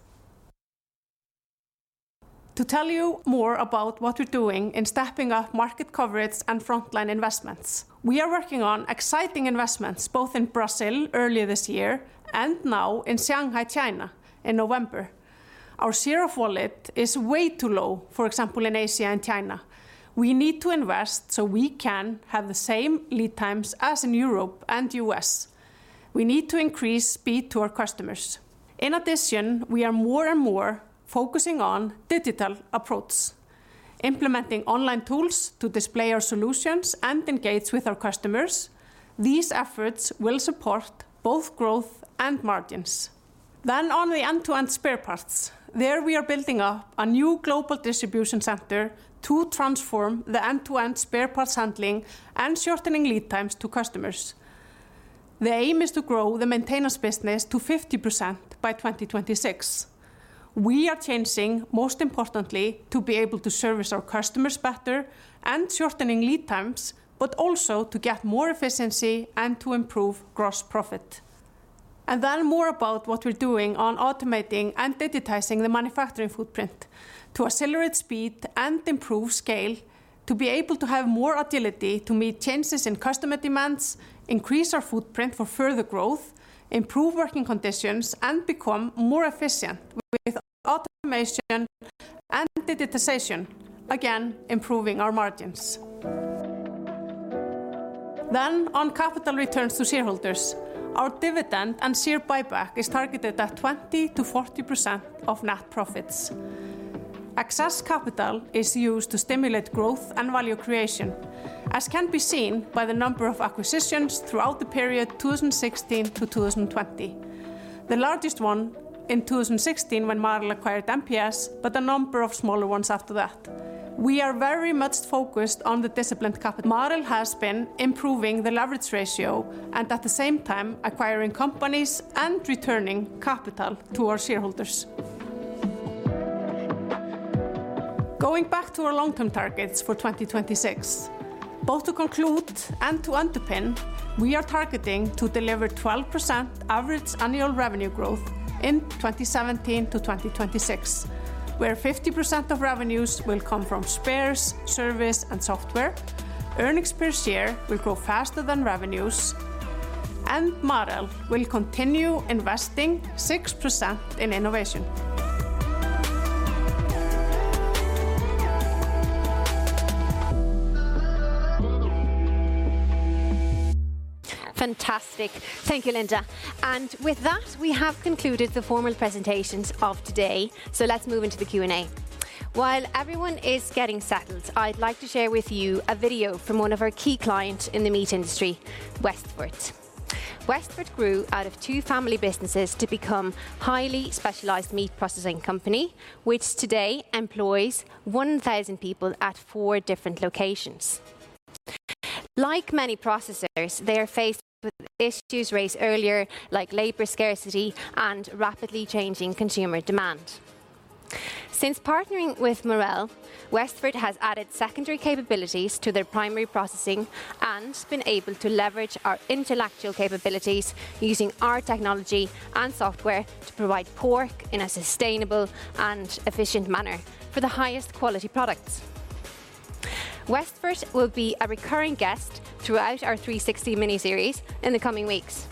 To tell you more about what we're doing in stepping up market coverage and frontline investments, we are working on exciting investments both in Brazil, earlier this year, and now in Shanghai, China, in November. Our share of wallet is way too low, for example, in Asia and China. We need to invest so we can have the same lead times as in Europe and U.S. We need to increase speed to our customers. In addition, we are more and more focusing on digital approach, implementing online tools to display our solutions and engage with our customers. These efforts will support both growth and margins. On the end-to-end spare parts, there we are building up a new global distribution center to transform the end-to-end spare parts handling and shortening lead times to customers. The aim is to grow the maintenance business to 50% by 2026. We are changing, most importantly, to be able to service our customers better and shortening lead times, but also to get more efficiency and to improve gross profit. Then more about what we're doing on automating and digitizing the manufacturing footprint to accelerate speed and improve scale, to be able to have more agility to meet changes in customer demands, increase our footprint for further growth, improve working conditions, and become more efficient with automation and digitization, again, improving our margins. On capital returns to shareholders, our dividend and share buyback is targeted at 20%-40% of net profits. Excess capital is used to stimulate growth and value creation, as can be seen by the number of acquisitions throughout the period 2016 to 2020. The largest one in 2016 when Marel acquired MPS, but a number of smaller ones after that. We are very much focused on the disciplined capital. Marel has been improving the leverage ratio and at the same time acquiring companies and returning capital to our shareholders. Going back to our long-term targets for 2026, both to conclude and to underpin, we are targeting to deliver 12% average annual revenue growth in 2017 to 2026, where 50% of revenues will come from spares, service, and software. Earnings per share will grow faster than revenues, and Marel will continue investing 6% in innovation. Fantastic. Thank you, Linda. With that, we have concluded the formal presentations of today. Let's move into the Q&A. While everyone is getting settled, I'd like to share with you a video from one of our key clients in the meat industry, Westfort. Westfort grew out of two family businesses to become highly specialized meat processing company, which today employs 1,000 people at four different locations. Like many processors, they are faced with issues raised earlier, like labor scarcity and rapidly changing consumer demand. Since partnering with Marel, Westfort has added secondary capabilities to their primary processing and been able to leverage our intellectual capabilities using our technology and software to provide pork in a sustainable and efficient manner for the highest quality products. Westfort will be a recurring guest throughout our 360 mini-series in the coming weeks.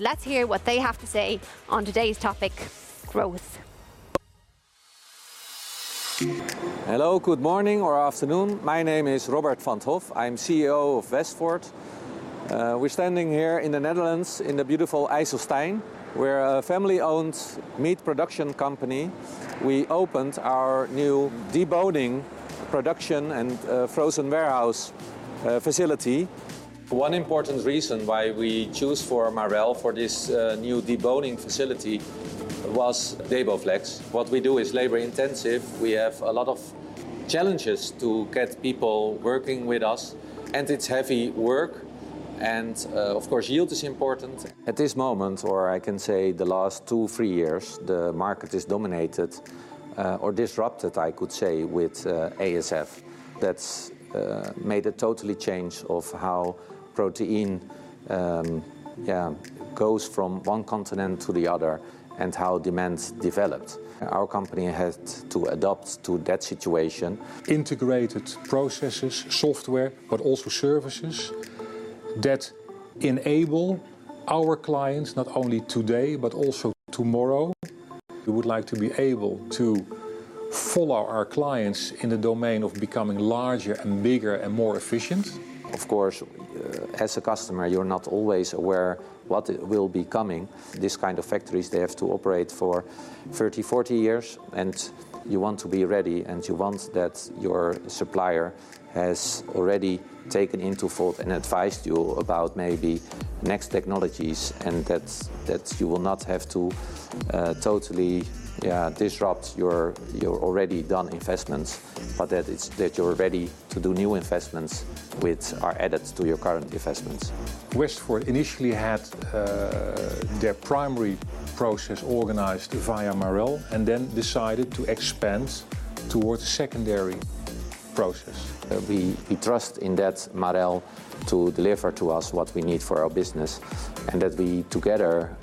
Let's hear what they have to say on today's topic, Growth. Hello, good morning or afternoon. My name is Robert van 't Hof. I'm CEO of Westfort. We're standing here in the Netherlands in the beautiful IJsselstein. We're a family-owned meat production company. We opened our new deboning production and frozen warehouse facility. One important reason why we choose for Marel for this new deboning facility was DeboFlex. What we do is labor intensive. We have a lot of challenges to get people working with us, and it's heavy work, and of course, yield is important. At this moment, or I can say the last two, three years, the market is dominated, or disrupted, I could say, with ASF. That's made a totally change of how protein goes from one continent to the other and how demands developed. Our company had to adapt to that situation. Integrated processes, software, but also services that enable our clients not only today, but also tomorrow. We would like to be able to follow our clients in the domain of becoming larger and bigger and more efficient. Of course, as a customer, you're not always aware what will be coming. These kind of factories, they have to operate for 30, 40 years, and you want to be ready, and you want that your supplier has already taken into thought and advised you about maybe next technologies, and that you will not have to totally disrupt your already done investments, but that you're ready to do new investments which are added to your current investments. Westfort initially had their primary process organized via Marel, and then decided to expand towards secondary process. We trust in that Marel to deliver to us what we need for our business and that we together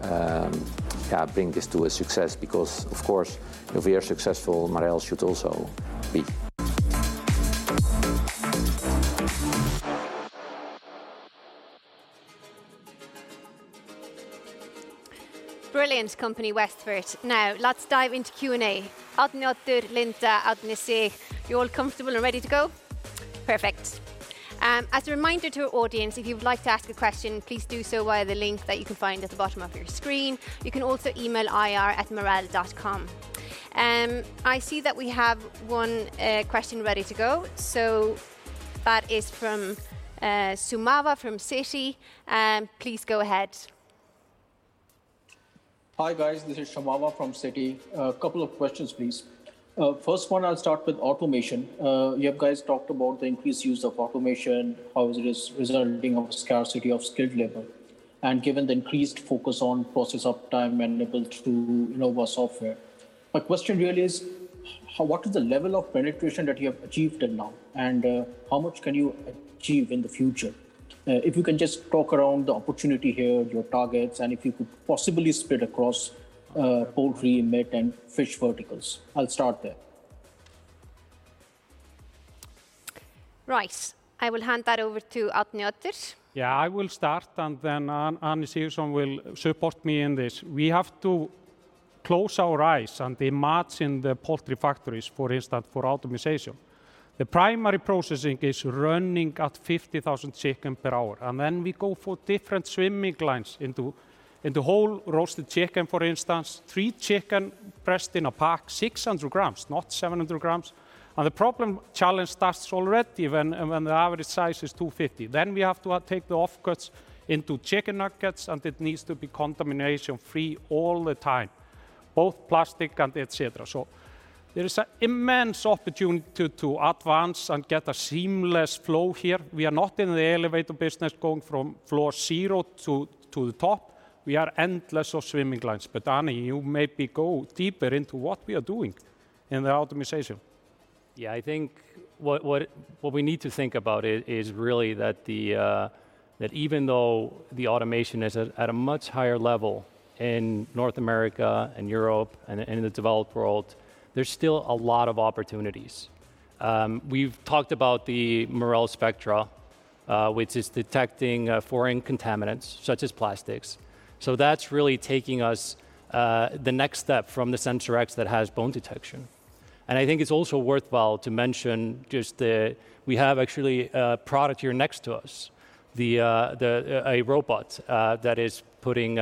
bring this to a success because, of course, if we are successful, Marel should also be. Brilliant company, Westfort. Now, let's dive into Q&A. Arni Oddur, Linda Jonsdottir, Arni Sig, you're all comfortable and ready to go? Perfect. As a reminder to our audience, if you would like to ask a question, please do so via the link that you can find at the bottom of your screen. You can also email ir@marel.com. I see that we have one question ready to go, so that is from Sumaira from Citi. Please go ahead. Hi, guys. This is Sumaira from Citi. A couple of questions, please. First one, I'll start with automation. You guys have talked about the increased use of automation, how it is resulting from scarcity of skilled labor. Given the increased focus on process uptime and the ability to innovate software. My question really is, what is the level of penetration that you have achieved till now and how much can you achieve in the future? If you can just talk around the opportunity here, your targets, and if you could possibly split across poultry, meat, and fish verticals. I'll start there. Right. I will hand that over to Arni Oddur. Yeah, I will start, and then Arni Sigurdsson will support me in this. We have to close our eyes and imagine the poultry factories, for instance, for automation. The primary processing is running at 50,000 chicken per hour, and then we go for different swim lines into whole roasted chicken, for instance. Three chicken pressed in a pack, 600 g, not 700 g. The problem challenge starts already when the average size is 250. Then we have to take the offcuts into chicken nuggets, and it needs to be contamination-free all the time, both plastic and et cetera. There is an immense opportunity to advance and get a seamless flow here. We are not in the elevator business going from floor zero to the top. We are endless swim lines. Arni, you maybe go deeper into what we are doing in the automation. Yeah, I think what we need to think about is really that even though the automation is at a much higher level in North America and Europe and in the developed world, there's still a lot of opportunities. We've talked about the Marel Spectra, which is detecting foreign contaminants such as plastics. That's really taking us the next step from the SensorX that has bone detection. I think it's also worthwhile to mention. We have actually a product here next to us, a robot that is putting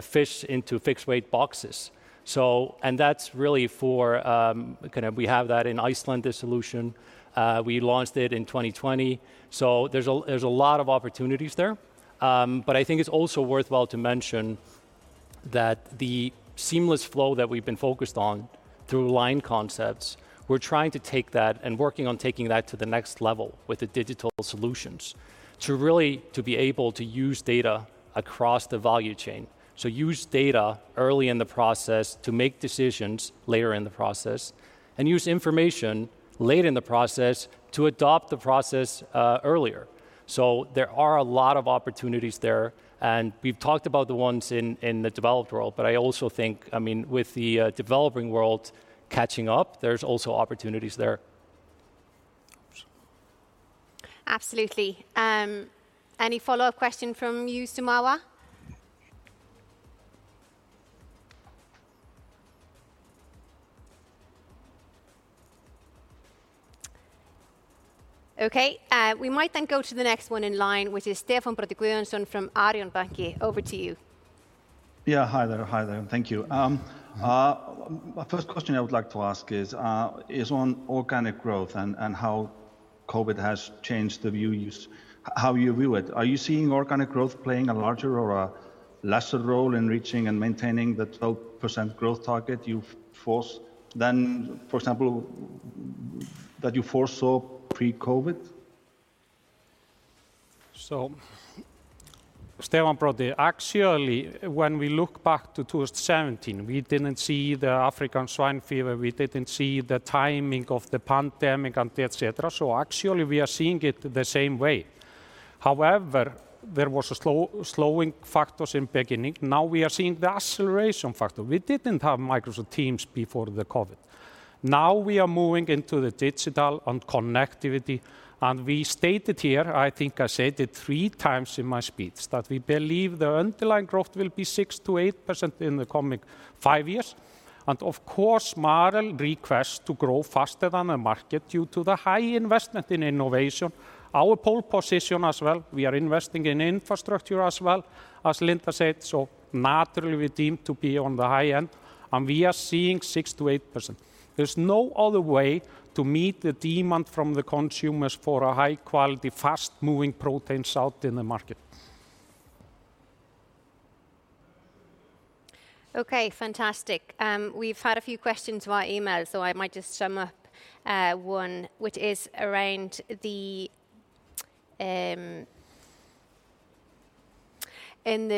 fish into fixed weight boxes. That's really for kind of we have that in Iceland, this solution. We launched it in 2020. There's a lot of opportunities there. I think it's also worthwhile to mention that the seamless flow that we've been focused on through line concepts, we're trying to take that and working on taking that to the next level with the digital solutions to really be able to use data across the value chain. Use data early in the process to make decisions later in the process, and use information late in the process to adapt the process earlier. There are a lot of opportunities there, and we've talked about the ones in the developed world, but I also think, I mean, with the developing world catching up, there's also opportunities there. Absolutely. Any follow-up question from you, Sumaira? Okay. We might then go to the next one in line, which is Stefán Broddi Guðjónsson from Arion Bank. Over to you. Hi there. Thank you. My first question I would like to ask is on organic growth and how COVID has changed the view, how you view it. Are you seeing organic growth playing a larger or a lesser role in reaching and maintaining the 12% growth target you foresaw than, for example, that you foresaw pre-COVID? Stefán Broddi, actually, when we look back to 2017, we didn't see the African swine fever, we didn't see the timing of the pandemic, and et cetera. Actually, we are seeing it the same way. However, there was a slow, slowing factors in beginning. Now we are seeing the acceleration factor. We didn't have Microsoft Teams before the COVID. Now we are moving into the digital and connectivity, and we stated here, I think I said it three times in my speech, that we believe the underlying growth will be 6%-8% in the coming five years. Of course, Marel requests to grow faster than the market due to the high investment in innovation. Our pole position as well, we are investing in infrastructure as well, as Linda said, so naturally we deem to be on the high end, and we are seeing 6%-8%. There's no other way to meet the demand from the consumers for a high quality, fast-moving protein out in the market. Okay, fantastic. We've had a few questions via email, so I might just sum up one, which is around the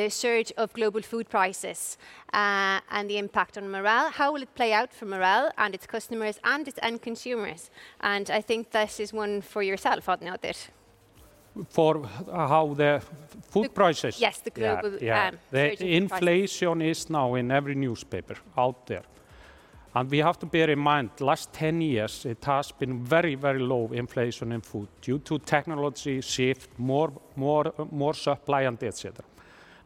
surge of global food prices and the impact on Marel. How will it play out for Marel and its customers and its end consumers? I think this is one for yourself, Arni Oddur. For how the food prices? Yes, the global. Yeah, yeah prices. The inflation is now in every newspaper out there. We have to bear in mind, last 10 years it has been very, very low inflation in food due to technology shift, more supply and et cetera.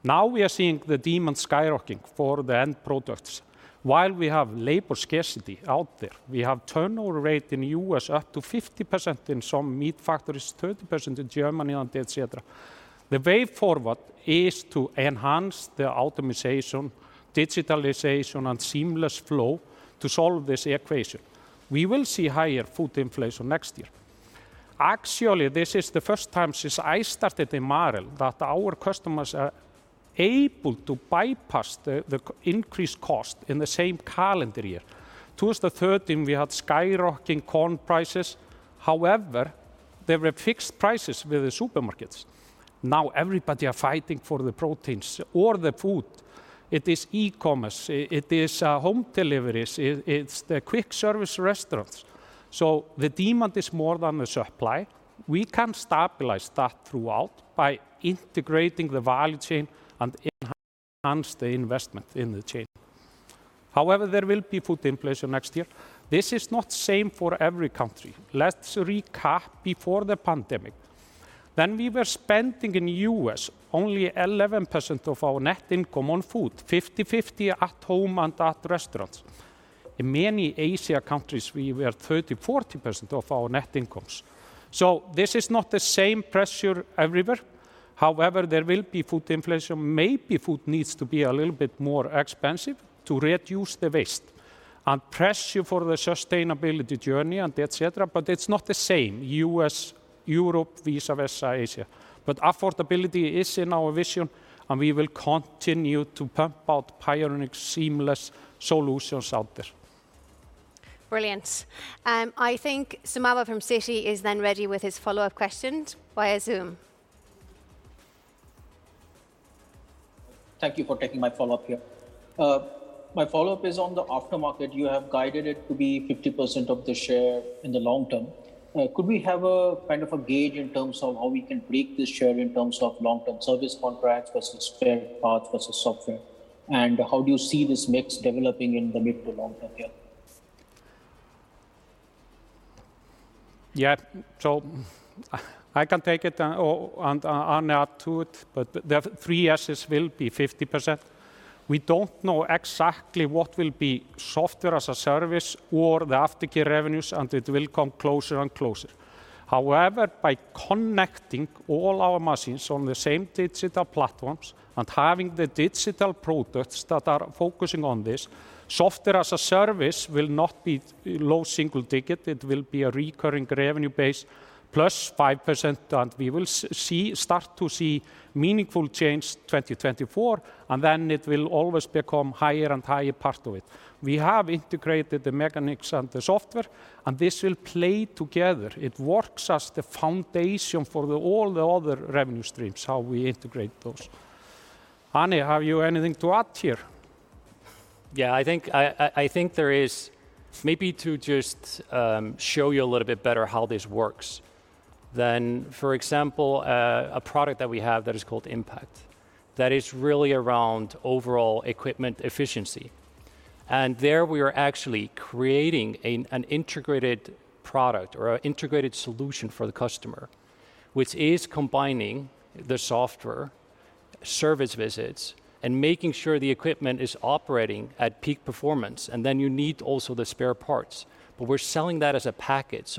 Now we are seeing the demand skyrocketing for the end products. While we have labor scarcity out there, we have turnover rate in U.S. up to 50% in some meat factories, 30% in Germany and et cetera. The way forward is to enhance the optimization, digitalization, and seamless flow to solve this equation. We will see higher food inflation next year. Actually, this is the first time since I started in Marel that our customers are able to bypass the increased cost in the same calendar year. 2013 we had skyrocketing corn prices, however, there were fixed prices with the supermarkets. Now everybody are fighting for the proteins or the food. It is e-commerce, home deliveries, it's the quick service restaurants. The demand is more than the supply. We can stabilize that throughout by integrating the value chain and enhance the investment in the chain. However, there will be food inflation next year. This is not same for every country. Let's recap before the pandemic, when we were spending in U.S. only 11% of our net income on food, 50-50 at home and at restaurants. In many Asian countries, we were 30, 40% of our net incomes. This is not the same pressure everywhere. However, there will be food inflation. Maybe food needs to be a little bit more expensive to reduce the waste, and pressure for the sustainability journey and etc., but it's not the same U.S., Europe vis-a-vis Asia. Affordability is in our vision, and we will continue to pump out pioneering seamless solutions out there. Brilliant. I think Sumaira from Citi is then ready with his follow-up questions via Zoom. Thank you for taking my follow-up here. My follow-up is on the aftermarket. You have guided it to be 50% of the share in the long term. Could we have a kind of a gauge in terms of how we can break this share in terms of long-term service contracts versus spare parts versus software? How do you see this mix developing in the mid to long term here? I can take it and add to it, but the three Ss will be 50%. We don't know exactly what will be software as a service or the aftercare revenues, and it will come closer and closer. However, by connecting all our machines on the same digital platforms and having the digital products that are focusing on this, software as a service will not be low single digit. It will be a recurring revenue base +5%, and we will start to see meaningful change 2024, and then it will always become higher and higher part of it. We have integrated the mechanics and the software, and this will play together. It works as the foundation for all the other revenue streams, how we integrate those. Arni, have you anything to add here? I think there is maybe just to show you a little bit better how this works. For example, a product that we have that is called Impact, that is really around overall equipment efficiency. There we are actually creating an integrated product or an integrated solution for the customer, which is combining the software, service visits, and making sure the equipment is operating at peak performance. You need also the spare parts. We're selling that as a package.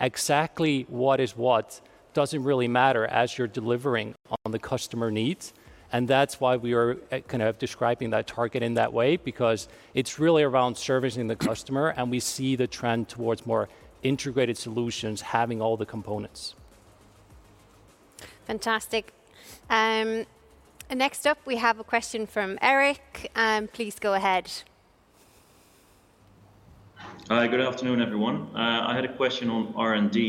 Exactly what is what doesn't really matter as you're delivering on the customer needs, and that's why we are kind of describing that target in that way, because it's really around servicing the customer, and we see the trend towards more integrated solutions having all the components. Fantastic. Next up we have a question from Eric. Please go ahead. Hi, good afternoon, everyone. I had a question on R&D.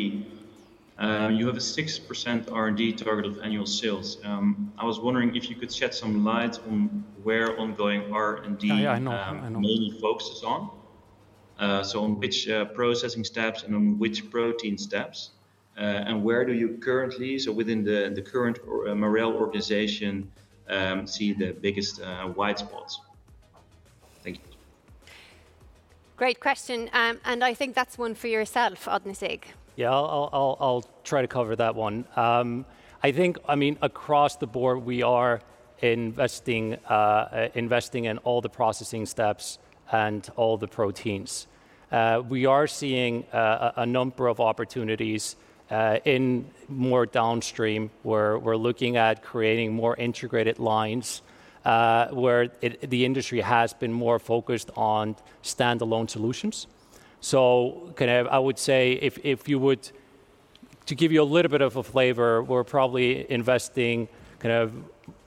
You have a 6% R&D target of annual sales. I was wondering if you could shed some light on where ongoing R&D- Yeah, I know, I know. Mainly focuses on. On which processing steps and on which protein steps, and where do you currently, within the current Marel organization, see the biggest white spots? Thank you. Great question. I think that's one for yourself, Arni Sig. Yeah, I'll try to cover that one. I think, I mean, across the board we are investing in all the processing steps and all the proteins. We are seeing a number of opportunities in more downstream where we're looking at creating more integrated lines, where the industry has been more focused on standalone solutions. Kind of I would say to give you a little bit of a flavor, we're probably investing kind of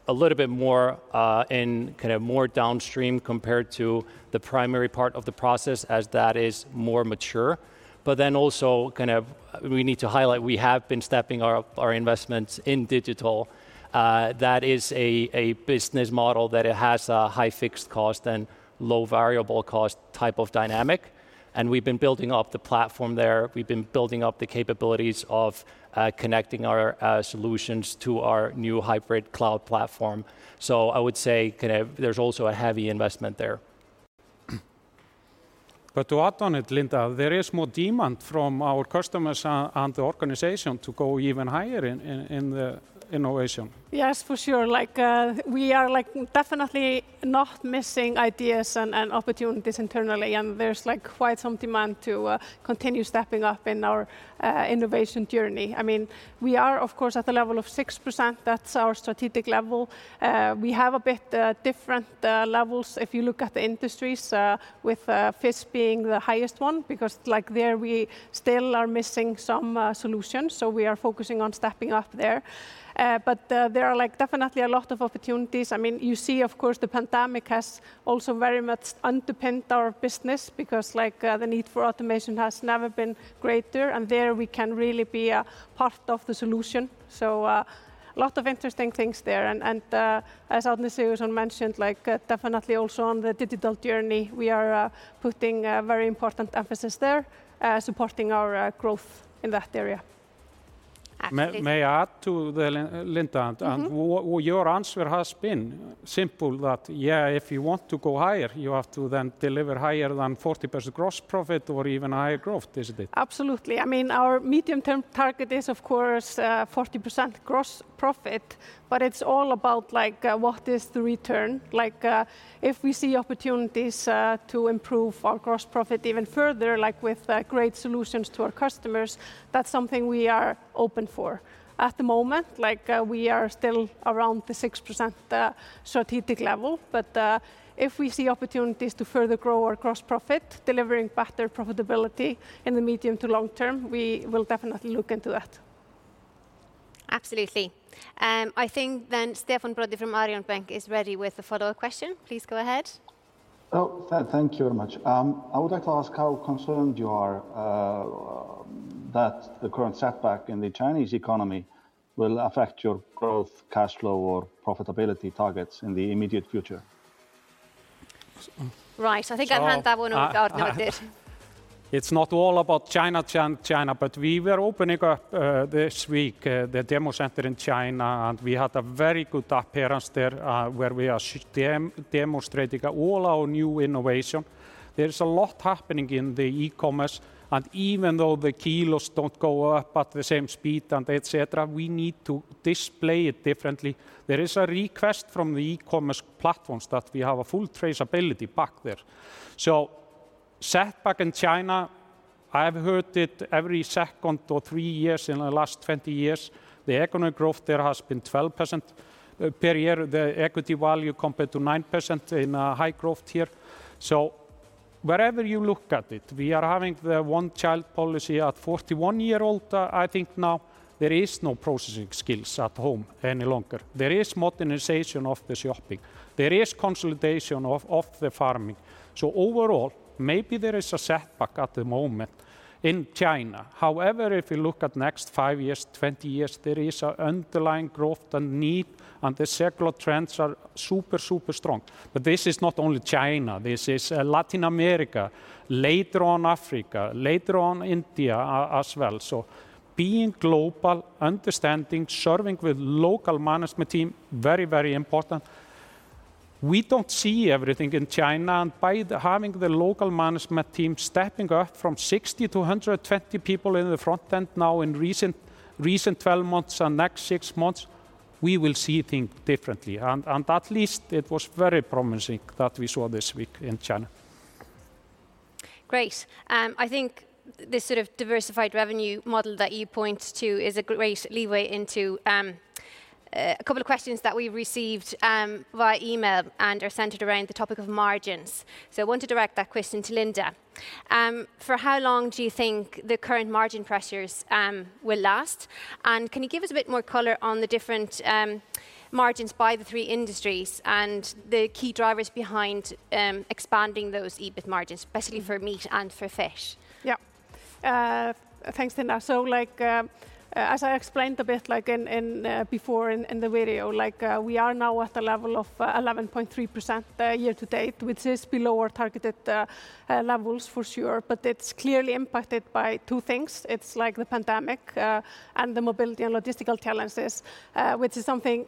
a little bit more in kind of more downstream compared to the primary part of the process as that is more mature. Also kind of we need to highlight, we have been stepping up our investments in digital. That is a business model that it has a high fixed cost and low variable cost type of dynamic, and we've been building up the platform there. We've been building up the capabilities of connecting our solutions to our new hybrid cloud platform. I would say kind of there's also a heavy investment there. To add on it, Linda, there is more demand from our customers and the organization to go even higher in the innovation. Yes, for sure. Like, we are, like, definitely not missing ideas and opportunities internally, and there's, like, quite some demand to continue stepping up in our innovation journey. I mean, we are of course at the level of 6%. That's our strategic level. We have a bit different levels if you look at the industries, with fish being the highest one because, like, there we still are missing some solutions, so we are focusing on stepping up there. There are, like, definitely a lot of opportunities. I mean, you see of course the pandemic has also very much underpinned our business because, like, the need for automation has never been greater, and there we can really be a part of the solution, so lot of interesting things there. As Arni Sigurdsson mentioned, like, definitely also on the digital journey, we are putting a very important emphasis there, supporting our growth in that area. May I add to Linda Mm-hmm Your answer has been simple, that, yeah, if you want to go higher, you have to then deliver higher than 40% gross profit or even higher growth. Is it? Absolutely. I mean, our medium-term target is of course, 40% gross profit, but it's all about, like, what is the return. Like, if we see opportunities, to improve our gross profit even further, like with, great solutions to our customers, that's something we are open for. At the moment, like, we are still around the 6%, strategic level, but, if we see opportunities to further grow our gross profit, delivering better profitability in the medium to long term, we will definitely look into that. Absolutely. I think then Stefán Broddi from Arion Bank is ready with a follow-up question. Please go ahead. Oh, thank you very much. I would like to ask how concerned you are that the current setback in the Chinese economy will affect your growth, cash flow, or profitability targets in the immediate future? Right. I think I'd hand that one over to Arni at this. It's not all about China, but we were opening up this week the demo center in China, and we had a very good appearance there, where we are demonstrating all our new innovation. There is a lot happening in the e-commerce, and even though the kilos don't go up at the same speed and et cetera, we need to display it differently. There is a request from the e-commerce platforms that we have a full traceability back there. Setback in China, I have heard it every second or three years in the last 20 years. The economic growth there has been 12% per year, the equity value compared to 9% in high growth here. Wherever you look at it, we are having the one-child policy at 41-year-old, I think now. There is no processing skills at home any longer. There is modernization of the slaughtering. There is consolidation of the farming. Overall, maybe there is a setback at the moment in China. However, if you look at next five years, 20 years, there is an underlying growth and need, and the secular trends are super strong. This is not only China. This is Latin America, later on Africa, later on India as well. Being global understanding, serving with local management team, very, very important. We don't see everything in China, and by having the local management team stepping up from 60 to 120 people in the front end now in recent 12 months and next six months, we will see things differently. At least it was very promising that we saw this week in China. Great. I think this sort of diversified revenue model that you point to is a great leeway into a couple of questions that we received via email and are centered around the topic of margins. I want to direct that question to Linda. For how long do you think the current margin pressures will last? And can you give us a bit more color on the different margins by the three industries and the key drivers behind expanding those EBIT margins, especially for meat and for fish? Yeah, thanks, Tina. Like, as I explained a bit like in before in the video, like, we are now at the level of 11.3% year to date, which is below our targeted levels for sure. It's clearly impacted by two things. It's like the pandemic and the mobility and logistical challenges, which is something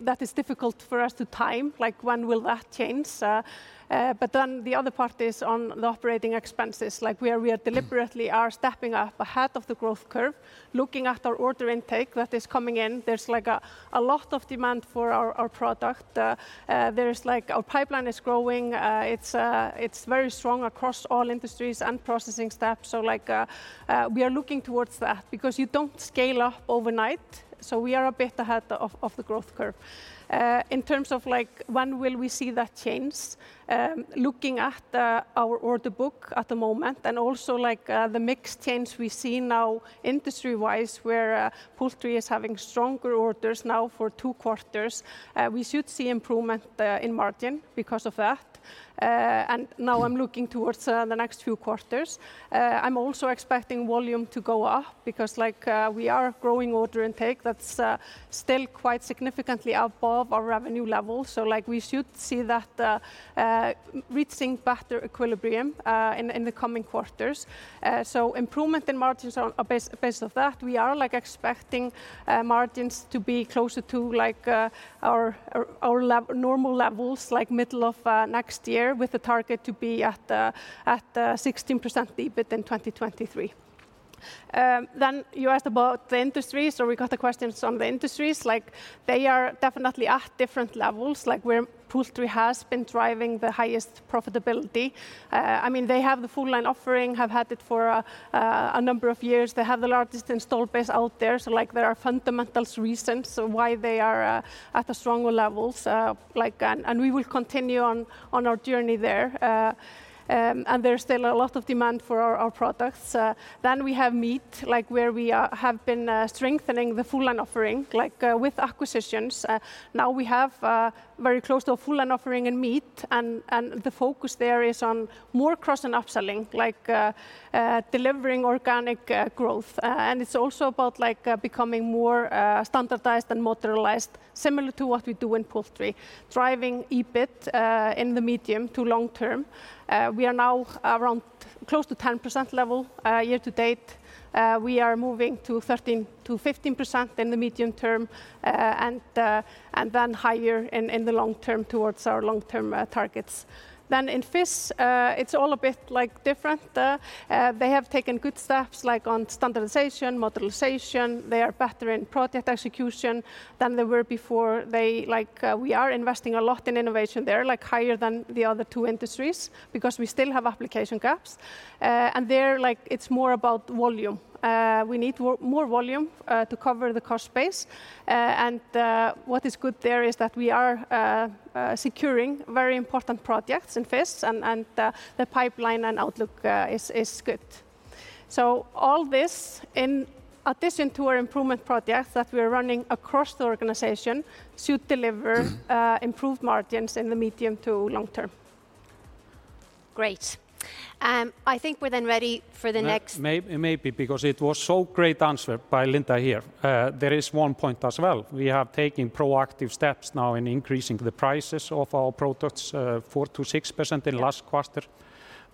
that is difficult for us to time, like when will that change. The other part is on the operating expenses, like we are deliberately stepping up ahead of the growth curve. Looking at our order intake that is coming in, there's like a lot of demand for our product. There's like our pipeline is growing. It's very strong across all industries and processing steps. Like, we are looking towards that because you don't scale up overnight, so we are a bit ahead of the growth curve. In terms of like when will we see that change, looking at our order book at the moment and also like the mix change we see now industry-wise where poultry is having stronger orders now for two quarters, we should see improvement in margin because of that. Now I'm looking towards the next few quarters. I'm also expecting volume to go up because like we are growing order intake that's still quite significantly above our revenue level. Like we should see that reaching better equilibrium in the coming quarters. Improvement in margins are based off that. We are like expecting margins to be closer to like our normal levels like middle of next year with the target to be at 16% EBIT in 2023. Then you asked about the industries, or we got the questions on the industries. Like, they are definitely at different levels, like where poultry has been driving the highest profitability. I mean, they have the full line offering, have had it for a number of years. They have the largest installed base out there, so like there are fundamentals reasons why they are at the stronger levels. Like, and we will continue on our journey there. And there's still a lot of demand for our products. We have meat, like where we are, have been strengthening the full line offering, like, with acquisitions. Now we have very close to a full line offering in meat and the focus there is on more cross and upselling, like, delivering organic growth. And it's also about like, becoming more standardized and motorized similar to what we do in poultry. Driving EBIT in the medium to long term, we are now around close to 10% level year to date. We are moving to 13%-15% in the medium term, and then higher in the long term towards our long-term targets. In fish, it's all a bit like different. They have taken good steps like on standardization, motorization. They are better in project execution than they were before. They, we are investing a lot in innovation. They're higher than the other two industries because we still have application gaps. It's more about volume. We need more volume to cover the cost base. What is good there is that we are securing very important projects in Fish and the pipeline and outlook is good. All this in addition to our improvement projects that we're running across the organization should deliver improved margins in the medium to long term. Great. I think we're then ready for the next. Maybe because it was so great answer by Linda here, there is one point as well. We have taken proactive steps now in increasing the prices of our products, 4%-6% in last quarter.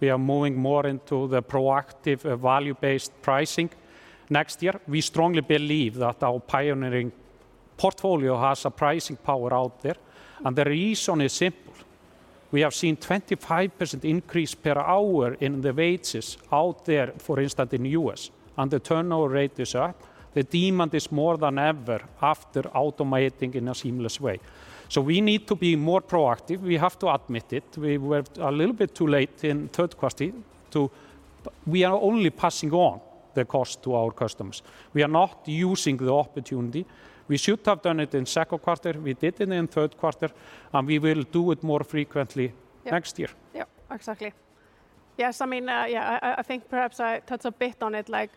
We are moving more into the proactive value-based pricing next year. We strongly believe that our pioneering portfolio has a pricing power out there, and the reason is simple. We have seen 25% increase per hour in the wages out there, for instance, in U.S., and the turnover rate is up. The demand is more than ever after automating in a seamless way. We need to be more proactive. We have to admit it. We were a little bit too late in third quarter to pass on the cost to our customers. We were only passing on the cost to our customers. We are not using the opportunity. We should have done it in second quarter. We did it in third quarter, and we will do it more frequently next year. Yeah. Yeah, exactly. Yes, I mean, yeah, I think perhaps I touched a bit on it, like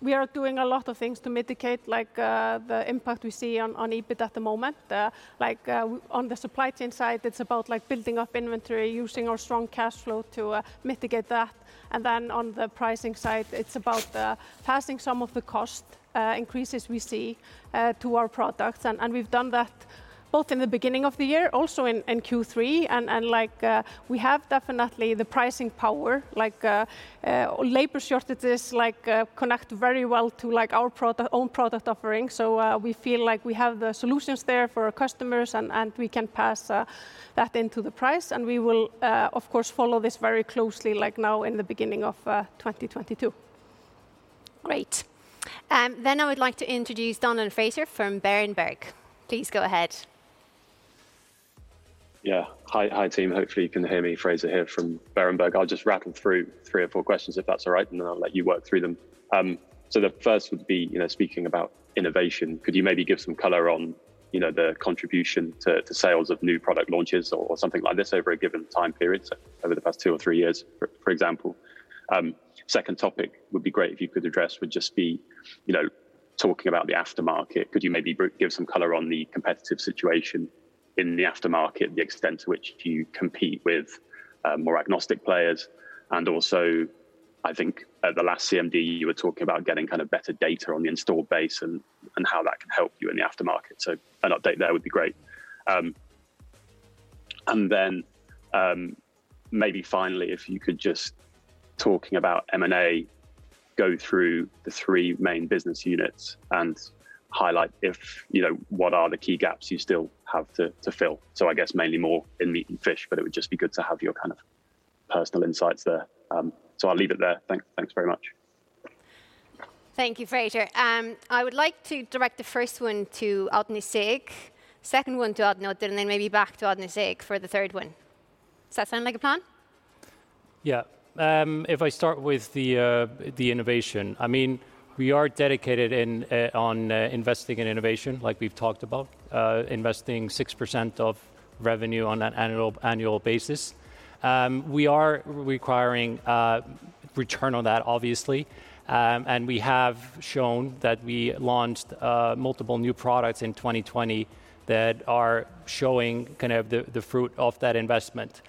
we are doing a lot of things to mitigate like the impact we see on EBIT at the moment. Like, on the supply chain side, it's about like building up inventory, using our strong cash flow to mitigate that. Then on the pricing side, it's about passing some of the cost increases we see to our products and we've done that both in the beginning of the year, also in Q3. And like we have definitely the pricing power, like labor shortages like connect very well to like our product, own product offering. We feel like we have the solutions there for our customers and we can pass that into the price, and we will, of course, follow this very closely like now in the beginning of 2022. Great. I would like to introduce Donlon Fraser from Berenberg. Please go ahead. Hi, team. Hopefully you can hear me. Fraser here from Berenberg. I'll just rattle through three or four questions, if that's all right, and then I'll let you work through them. The first would be, you know, speaking about innovation. Could you maybe give some color on, you know, the contribution to sales of new product launches or something like this over a given time period, so over the past two or three years for example? Second topic would be great if you could address would just be, you know, talking about the aftermarket. Could you maybe give some color on the competitive situation in the aftermarket, the extent to which you compete with more agnostic players? I think at the last CMD, you were talking about getting kind of better data on the installed base and how that can help you in the aftermarket. An update there would be great. And then maybe finally, if you could just talking about M&A, go through the three main business units and highlight if, you know, what are the key gaps you still have to fill. I guess mainly more in meat and fish, but it would just be good to have your kind of personal insights there. I'll leave it there. Thanks very much. Thank you, Fraser. I would like to direct the first one to Arni Sig, second one to Arni Oddur, and then maybe back to Arni Sig for the third one. Does that sound like a plan? Yeah. If I start with the innovation, I mean, we are dedicated in on investing in innovation, like we've talked about, investing 6% of revenue on an annual basis. We are requiring return on that obviously. We have shown that we launched multiple new products in 2020 that are showing kind of the fruit of that investment.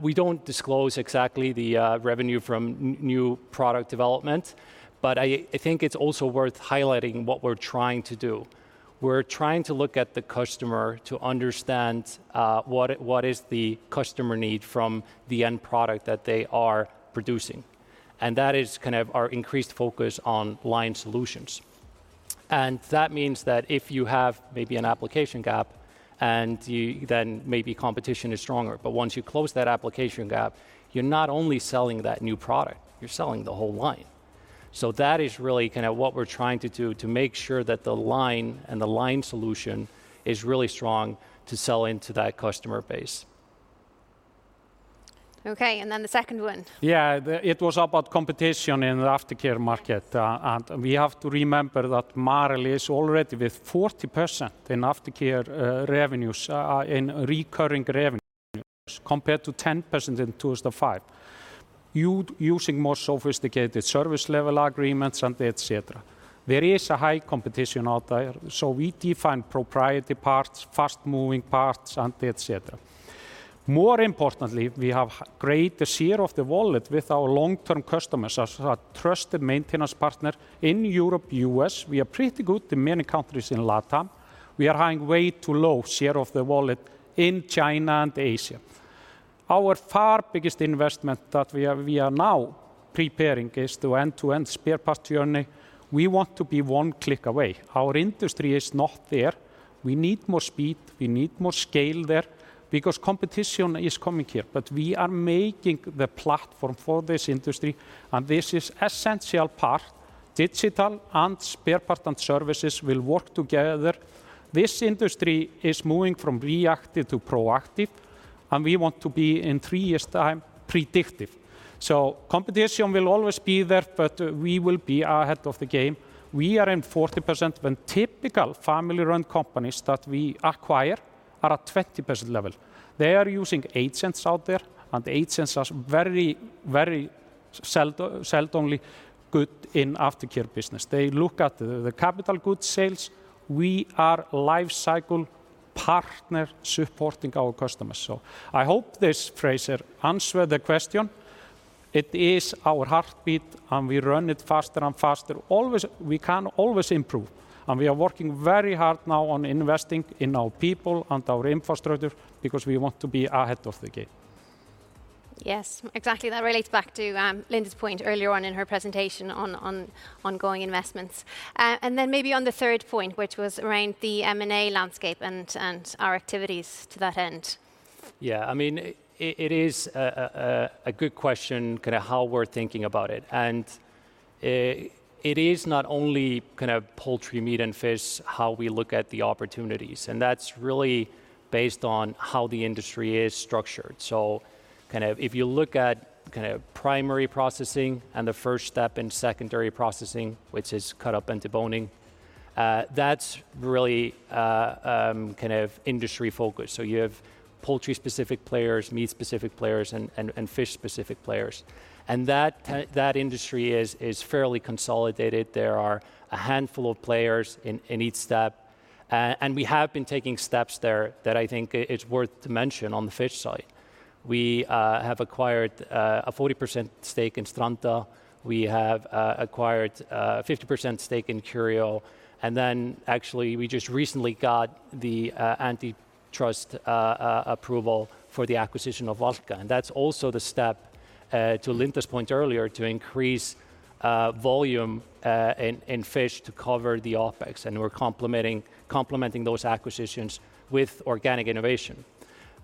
We don't disclose exactly the revenue from new product development, but I think it's also worth highlighting what we're trying to do. We're trying to look at the customer to understand what is the customer need from the end product that they are producing. That is kind of our increased focus on line solutions. That means that if you have maybe an application gap, and you then maybe competition is stronger, but once you close that application gap, you're not only selling that new product, you're selling the whole line. That is really kind of what we're trying to do to make sure that the line and the line solution is really strong to sell into that customer base. Okay. The second one. Yeah. It was about competition in the aftercare market. We have to remember that Marel is already with 40% in aftercare revenues in recurring revenues compared to 10% in 2005. Using more sophisticated service level agreements and et cetera. There is a high competition out there, so we define proprietary parts, fast-moving parts, and et cetera. More importantly, we have greater share of the wallet with our long-term customers as a trusted maintenance partner in Europe, U.S. We are pretty good in many countries in LatAm. We are having way too low share of the wallet in China and Asia. Our by far biggest investment that we are now preparing is the end-to-end spare parts journey. We want to be one click away. Our industry is not there. We need more speed. We need more scale there because competition is coming here. We are making the platform for this industry, and this is essential part. Digital and spare part and services will work together. This industry is moving from reactive to proactive, and we want to be, in three years' time, predictive. Competition will always be there, but we will be ahead of the game. We are in 40% when typical family-run companies that we acquire are at 20% level. They are using agents out there, and agents are very seldom only good in aftercare business. They look at the capital goods sales. We are life cycle partner supporting our customers. I hope this, Fraser, answer the question. It is our heartbeat, and we run it faster and faster. Always, we can always improve, and we are working very hard now on investing in our people and our infrastructure because we want to be ahead of the game. Yes, exactly. That relates back to Linda's point earlier on in her presentation on ongoing investments. Maybe on the third point, which was around the M&A landscape and our activities to that end. Yeah, I mean, it is a good question kind of how we're thinking about it. It is not only kind of poultry, meat, and fish how we look at the opportunities, and that's really based on how the industry is structured. If you look at kind of primary processing and the first step in secondary processing, which is cut up and deboning, that's really kind of industry focused. You have poultry-specific players, meat-specific players, and fish-specific players. That industry is fairly consolidated. There are a handful of players in each step. We have been taking steps there that I think it's worth to mention on the fish side. We have acquired a 40% stake in Stranda. We have acquired a 50% stake in Curio, and then actually we just recently got the antitrust approval for the acquisition of Valka. That's also the step, to Linda's point earlier, to increase volume in fish to cover the OpEx, and we're complementing those acquisitions with organic innovation.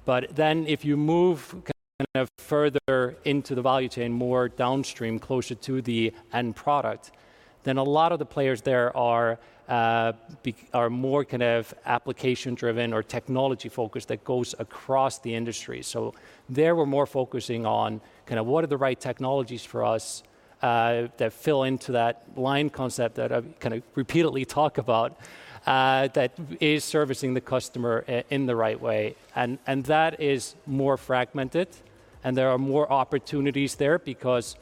If you move kind of further into the value chain, more downstream, closer to the end product, then a lot of the players there are more kind of application driven or technology focused that goes across the industry. There we're more focusing on kind of what are the right technologies for us that fill into that line concept that I kind of repeatedly talk about that is servicing the customer in the right way. That is more fragmented, and there are more opportunities there because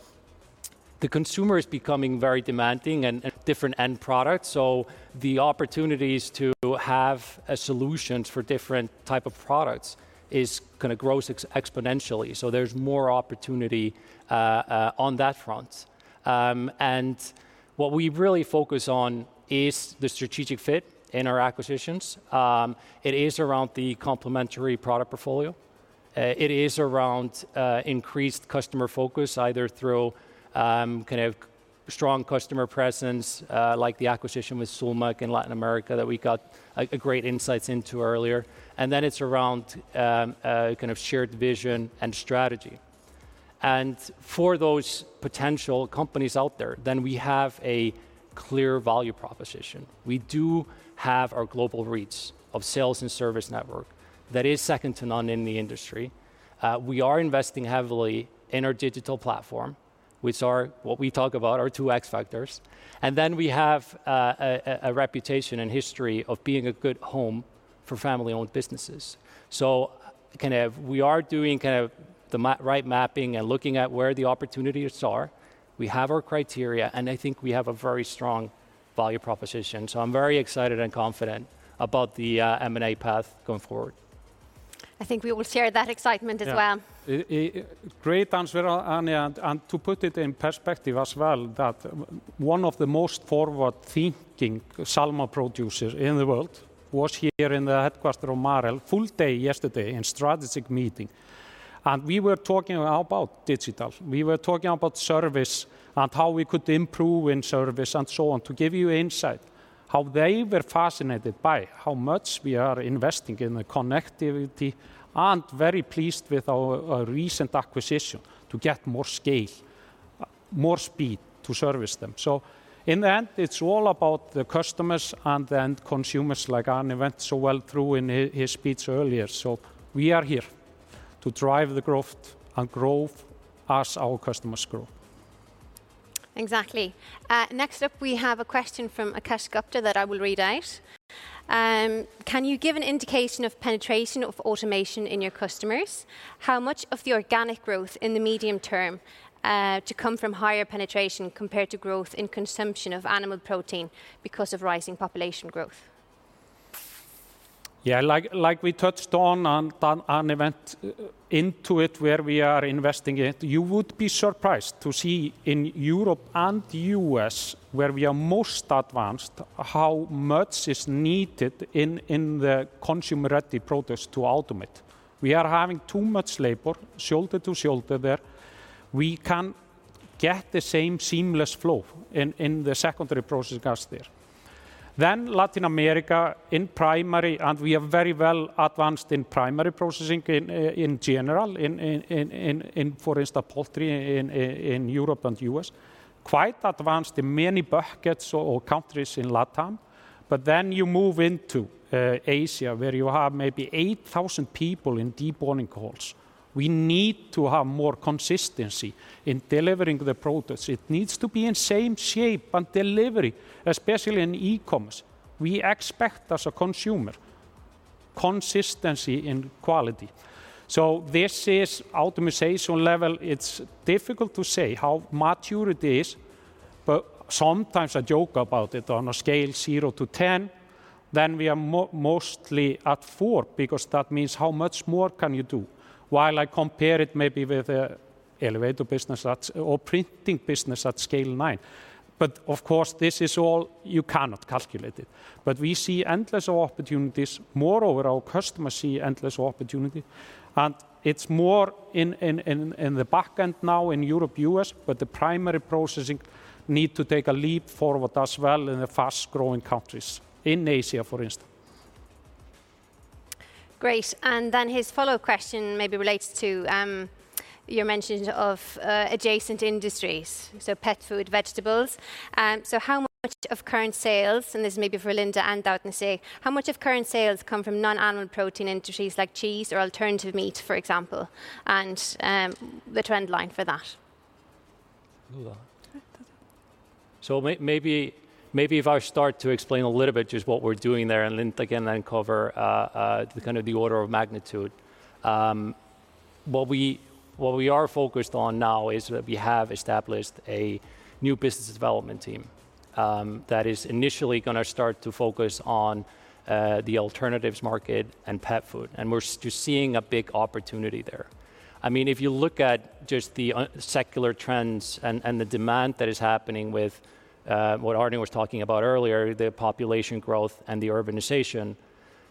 the consumer is becoming very demanding and different end products, so the opportunities to have a solutions for different type of products is gonna grow exponentially, so there's more opportunity on that front. What we really focus on is the strategic fit in our acquisitions. It is around the complementary product portfolio. It is around increased customer focus, either through kind of strong customer presence, like the acquisition with Sulmaq in Latin America that we got, like, a great insights into earlier. Then it's around a kind of shared vision and strategy. For those potential companies out there, then we have a clear value proposition. We do have our global reach of sales and service network that is second to none in the industry. We are investing heavily in our digital platform, which are what we talk about our two X factors. We have a reputation and history of being a good home for family-owned businesses. We are doing kind of mapping and looking at where the opportunities are. We have our criteria, and I think we have a very strong value proposition. I'm very excited and confident about the M&A path going forward. I think we all share that excitement as well. Yeah. Great answer, Arni, and to put it in perspective as well that one of the most forward-thinking Salma producer in the world was here in the headquarters of Marel full day yesterday in strategic meeting, and we were talking about digital. We were talking about service and how we could improve in service and so on to give you insight how they were fascinated by how much we are investing in the connectivity and very pleased with our recent acquisition to get more scale, more speed to service them. In the end, it's all about the customers and the end consumers like Arni went so well through in his speech earlier. We are here to drive the growth and growth as our customers grow. Exactly. Next up we have a question from Akash Gupta that I will read out. Can you give an indication of penetration of automation in your customers? How much of the organic growth in the medium term to come from higher penetration compared to growth in consumption of animal protein because of rising population growth? Yeah, like we touched on and Arni went into it where we are investing it. You would be surprised to see in Europe and U.S., where we are most advanced, how much is needed in the consumer-ready products to automate. We are having too much labor, shoulder to shoulder there. We can get the same seamless flow in the secondary processing as there. Latin America in primary, and we are very well advanced in primary processing in general, for instance, poultry in Europe and U.S., quite advanced in many buckets or countries in LatAm. You move into Asia where you have maybe 8,000 people in deboning halls. We need to have more consistency in delivering the products. It needs to be in same shape and delivery, especially in e-commerce. We expect as a consumer consistency in quality. This is optimization level, it's difficult to say how mature it is, but sometimes I joke about it, on a scale 0-10, then we are mostly at four because that means how much more can you do? While I compare it maybe with the elevator business at or printing business at scale nine. Of course this is all, you cannot calculate it. We see endless opportunities. Moreover, our customers see endless opportunity, and it's more in the back end now in Europe, U.S., but the primary processing need to take a leap forward as well in the fast-growing countries, in Asia for instance. Great. Then his follow-up question maybe relates to your mentions of adjacent industries, so pet food, vegetables. So how much of current sales, and this may be for Linda and Arni Sigurðsson, how much of current sales come from non-animal protein industries like cheese or alternative meat, for example, and the trend line for that? Maybe if I start to explain a little bit just what we're doing there and then, again, then cover the kind of the order of magnitude. What we are focused on now is that we have established a new business development team that is initially gonna start to focus on the alternatives market and pet food, and we're seeing a big opportunity there. I mean, if you look at just the secular trends and the demand that is happening with what Arni was talking about earlier, the population growth and the urbanization,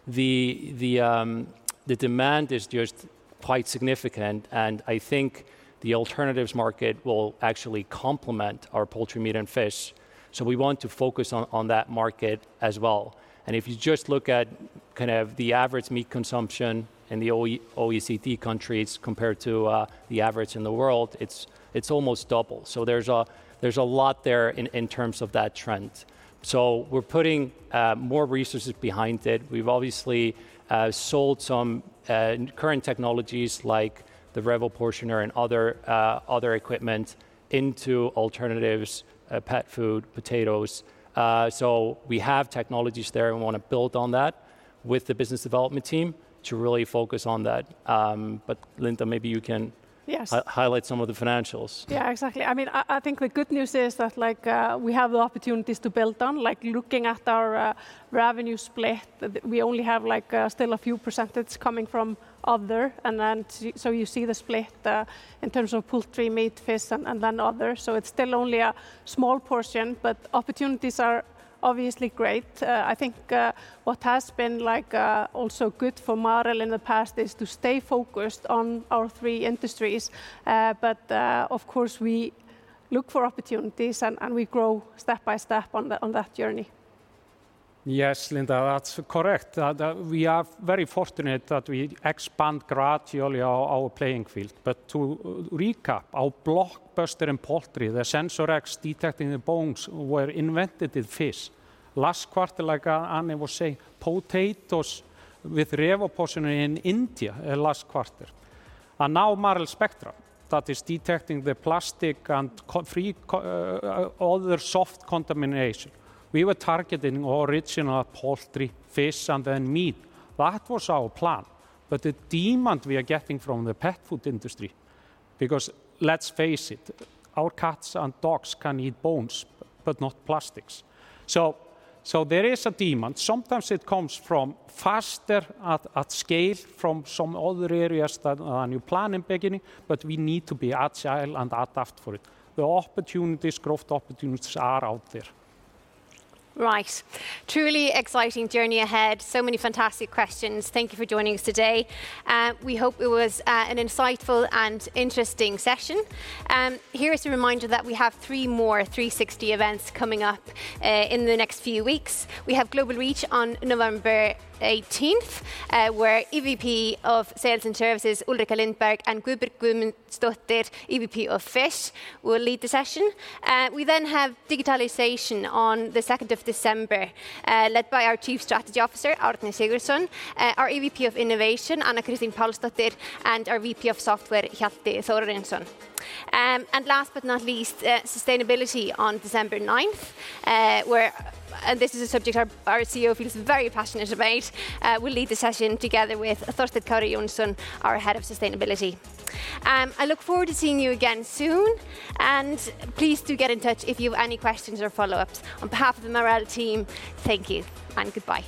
the demand is just quite significant, and I think the alternatives market will actually complement our poultry, meat, and fish. We want to focus on that market as well. If you just look at kind of the average meat consumption in the OECD countries compared to the average in the world, it's almost double. There's a lot there in terms of that trend. We're putting more resources behind it. We've obviously sold some current technologies like the RevoPortioner portioner and other equipment into alternatives, pet food, potatoes. We have technologies there and wanna build on that with the business development team to really focus on that. But Linda, maybe you can. Yes Highlight some of the financials. Yeah, exactly. I mean, I think the good news is that, like, we have the opportunities to build on. Like, looking at our revenue split, we only have, like, still a few percent coming from other and then so you see the split in terms of poultry, meat, fish, and then other. So it's still only a small portion, but opportunities are obviously great. I think what has been, like, also good for Marel in the past is to stay focused on our three industries. But of course we look for opportunities and we grow step by step on that journey. Yes, Linda, that's correct. That we are very fortunate that we expand gradually our playing field. To recap, our blockbuster in poultry, the SensorX detecting the bones were invented in fish. Last quarter, like, Arni was saying, potatoes with RevoPortioner in India, last quarter. Now Marel Spectra that is detecting the plastic and other soft contamination. We were targeting original poultry, fish, and then meat. That was our plan. The demand we are getting from the pet food industry, because let's face it, our cats and dogs can eat bones, but not plastics. There is a demand. Sometimes it comes faster at scale from some other areas than you plan in beginning, but we need to be agile and adapt for it. The opportunities, growth opportunities are out there. Truly exciting journey ahead. Many fantastic questions. Thank you for joining us today. We hope it was an insightful and interesting session. Here is a reminder that we have three more 360 events coming up in the next few weeks. We have Global Reach on November 18, where EVP of Sales and Services, Ulrika Lindberg, and Gudbjorg Gudmundsdottir, EVP of Fish, will lead the session. We then have Digitalization on the 2nd December, led by our Chief Strategy Officer, Arni Sigurdsson, our EVP of Innovation, Anna Kristin Palsdottir, and our VP of Software, Hjalti Thorarinsson. Last but not least, Sustainability on December 9, where this is a subject our CEO feels very passionate about will lead the session together with Thorsteinn Kari Jonsson, our Head of Sustainability. I look forward to seeing you again soon, and please do get in touch if you've any questions or follow-ups. On behalf of the Marel team, thank you and goodbye.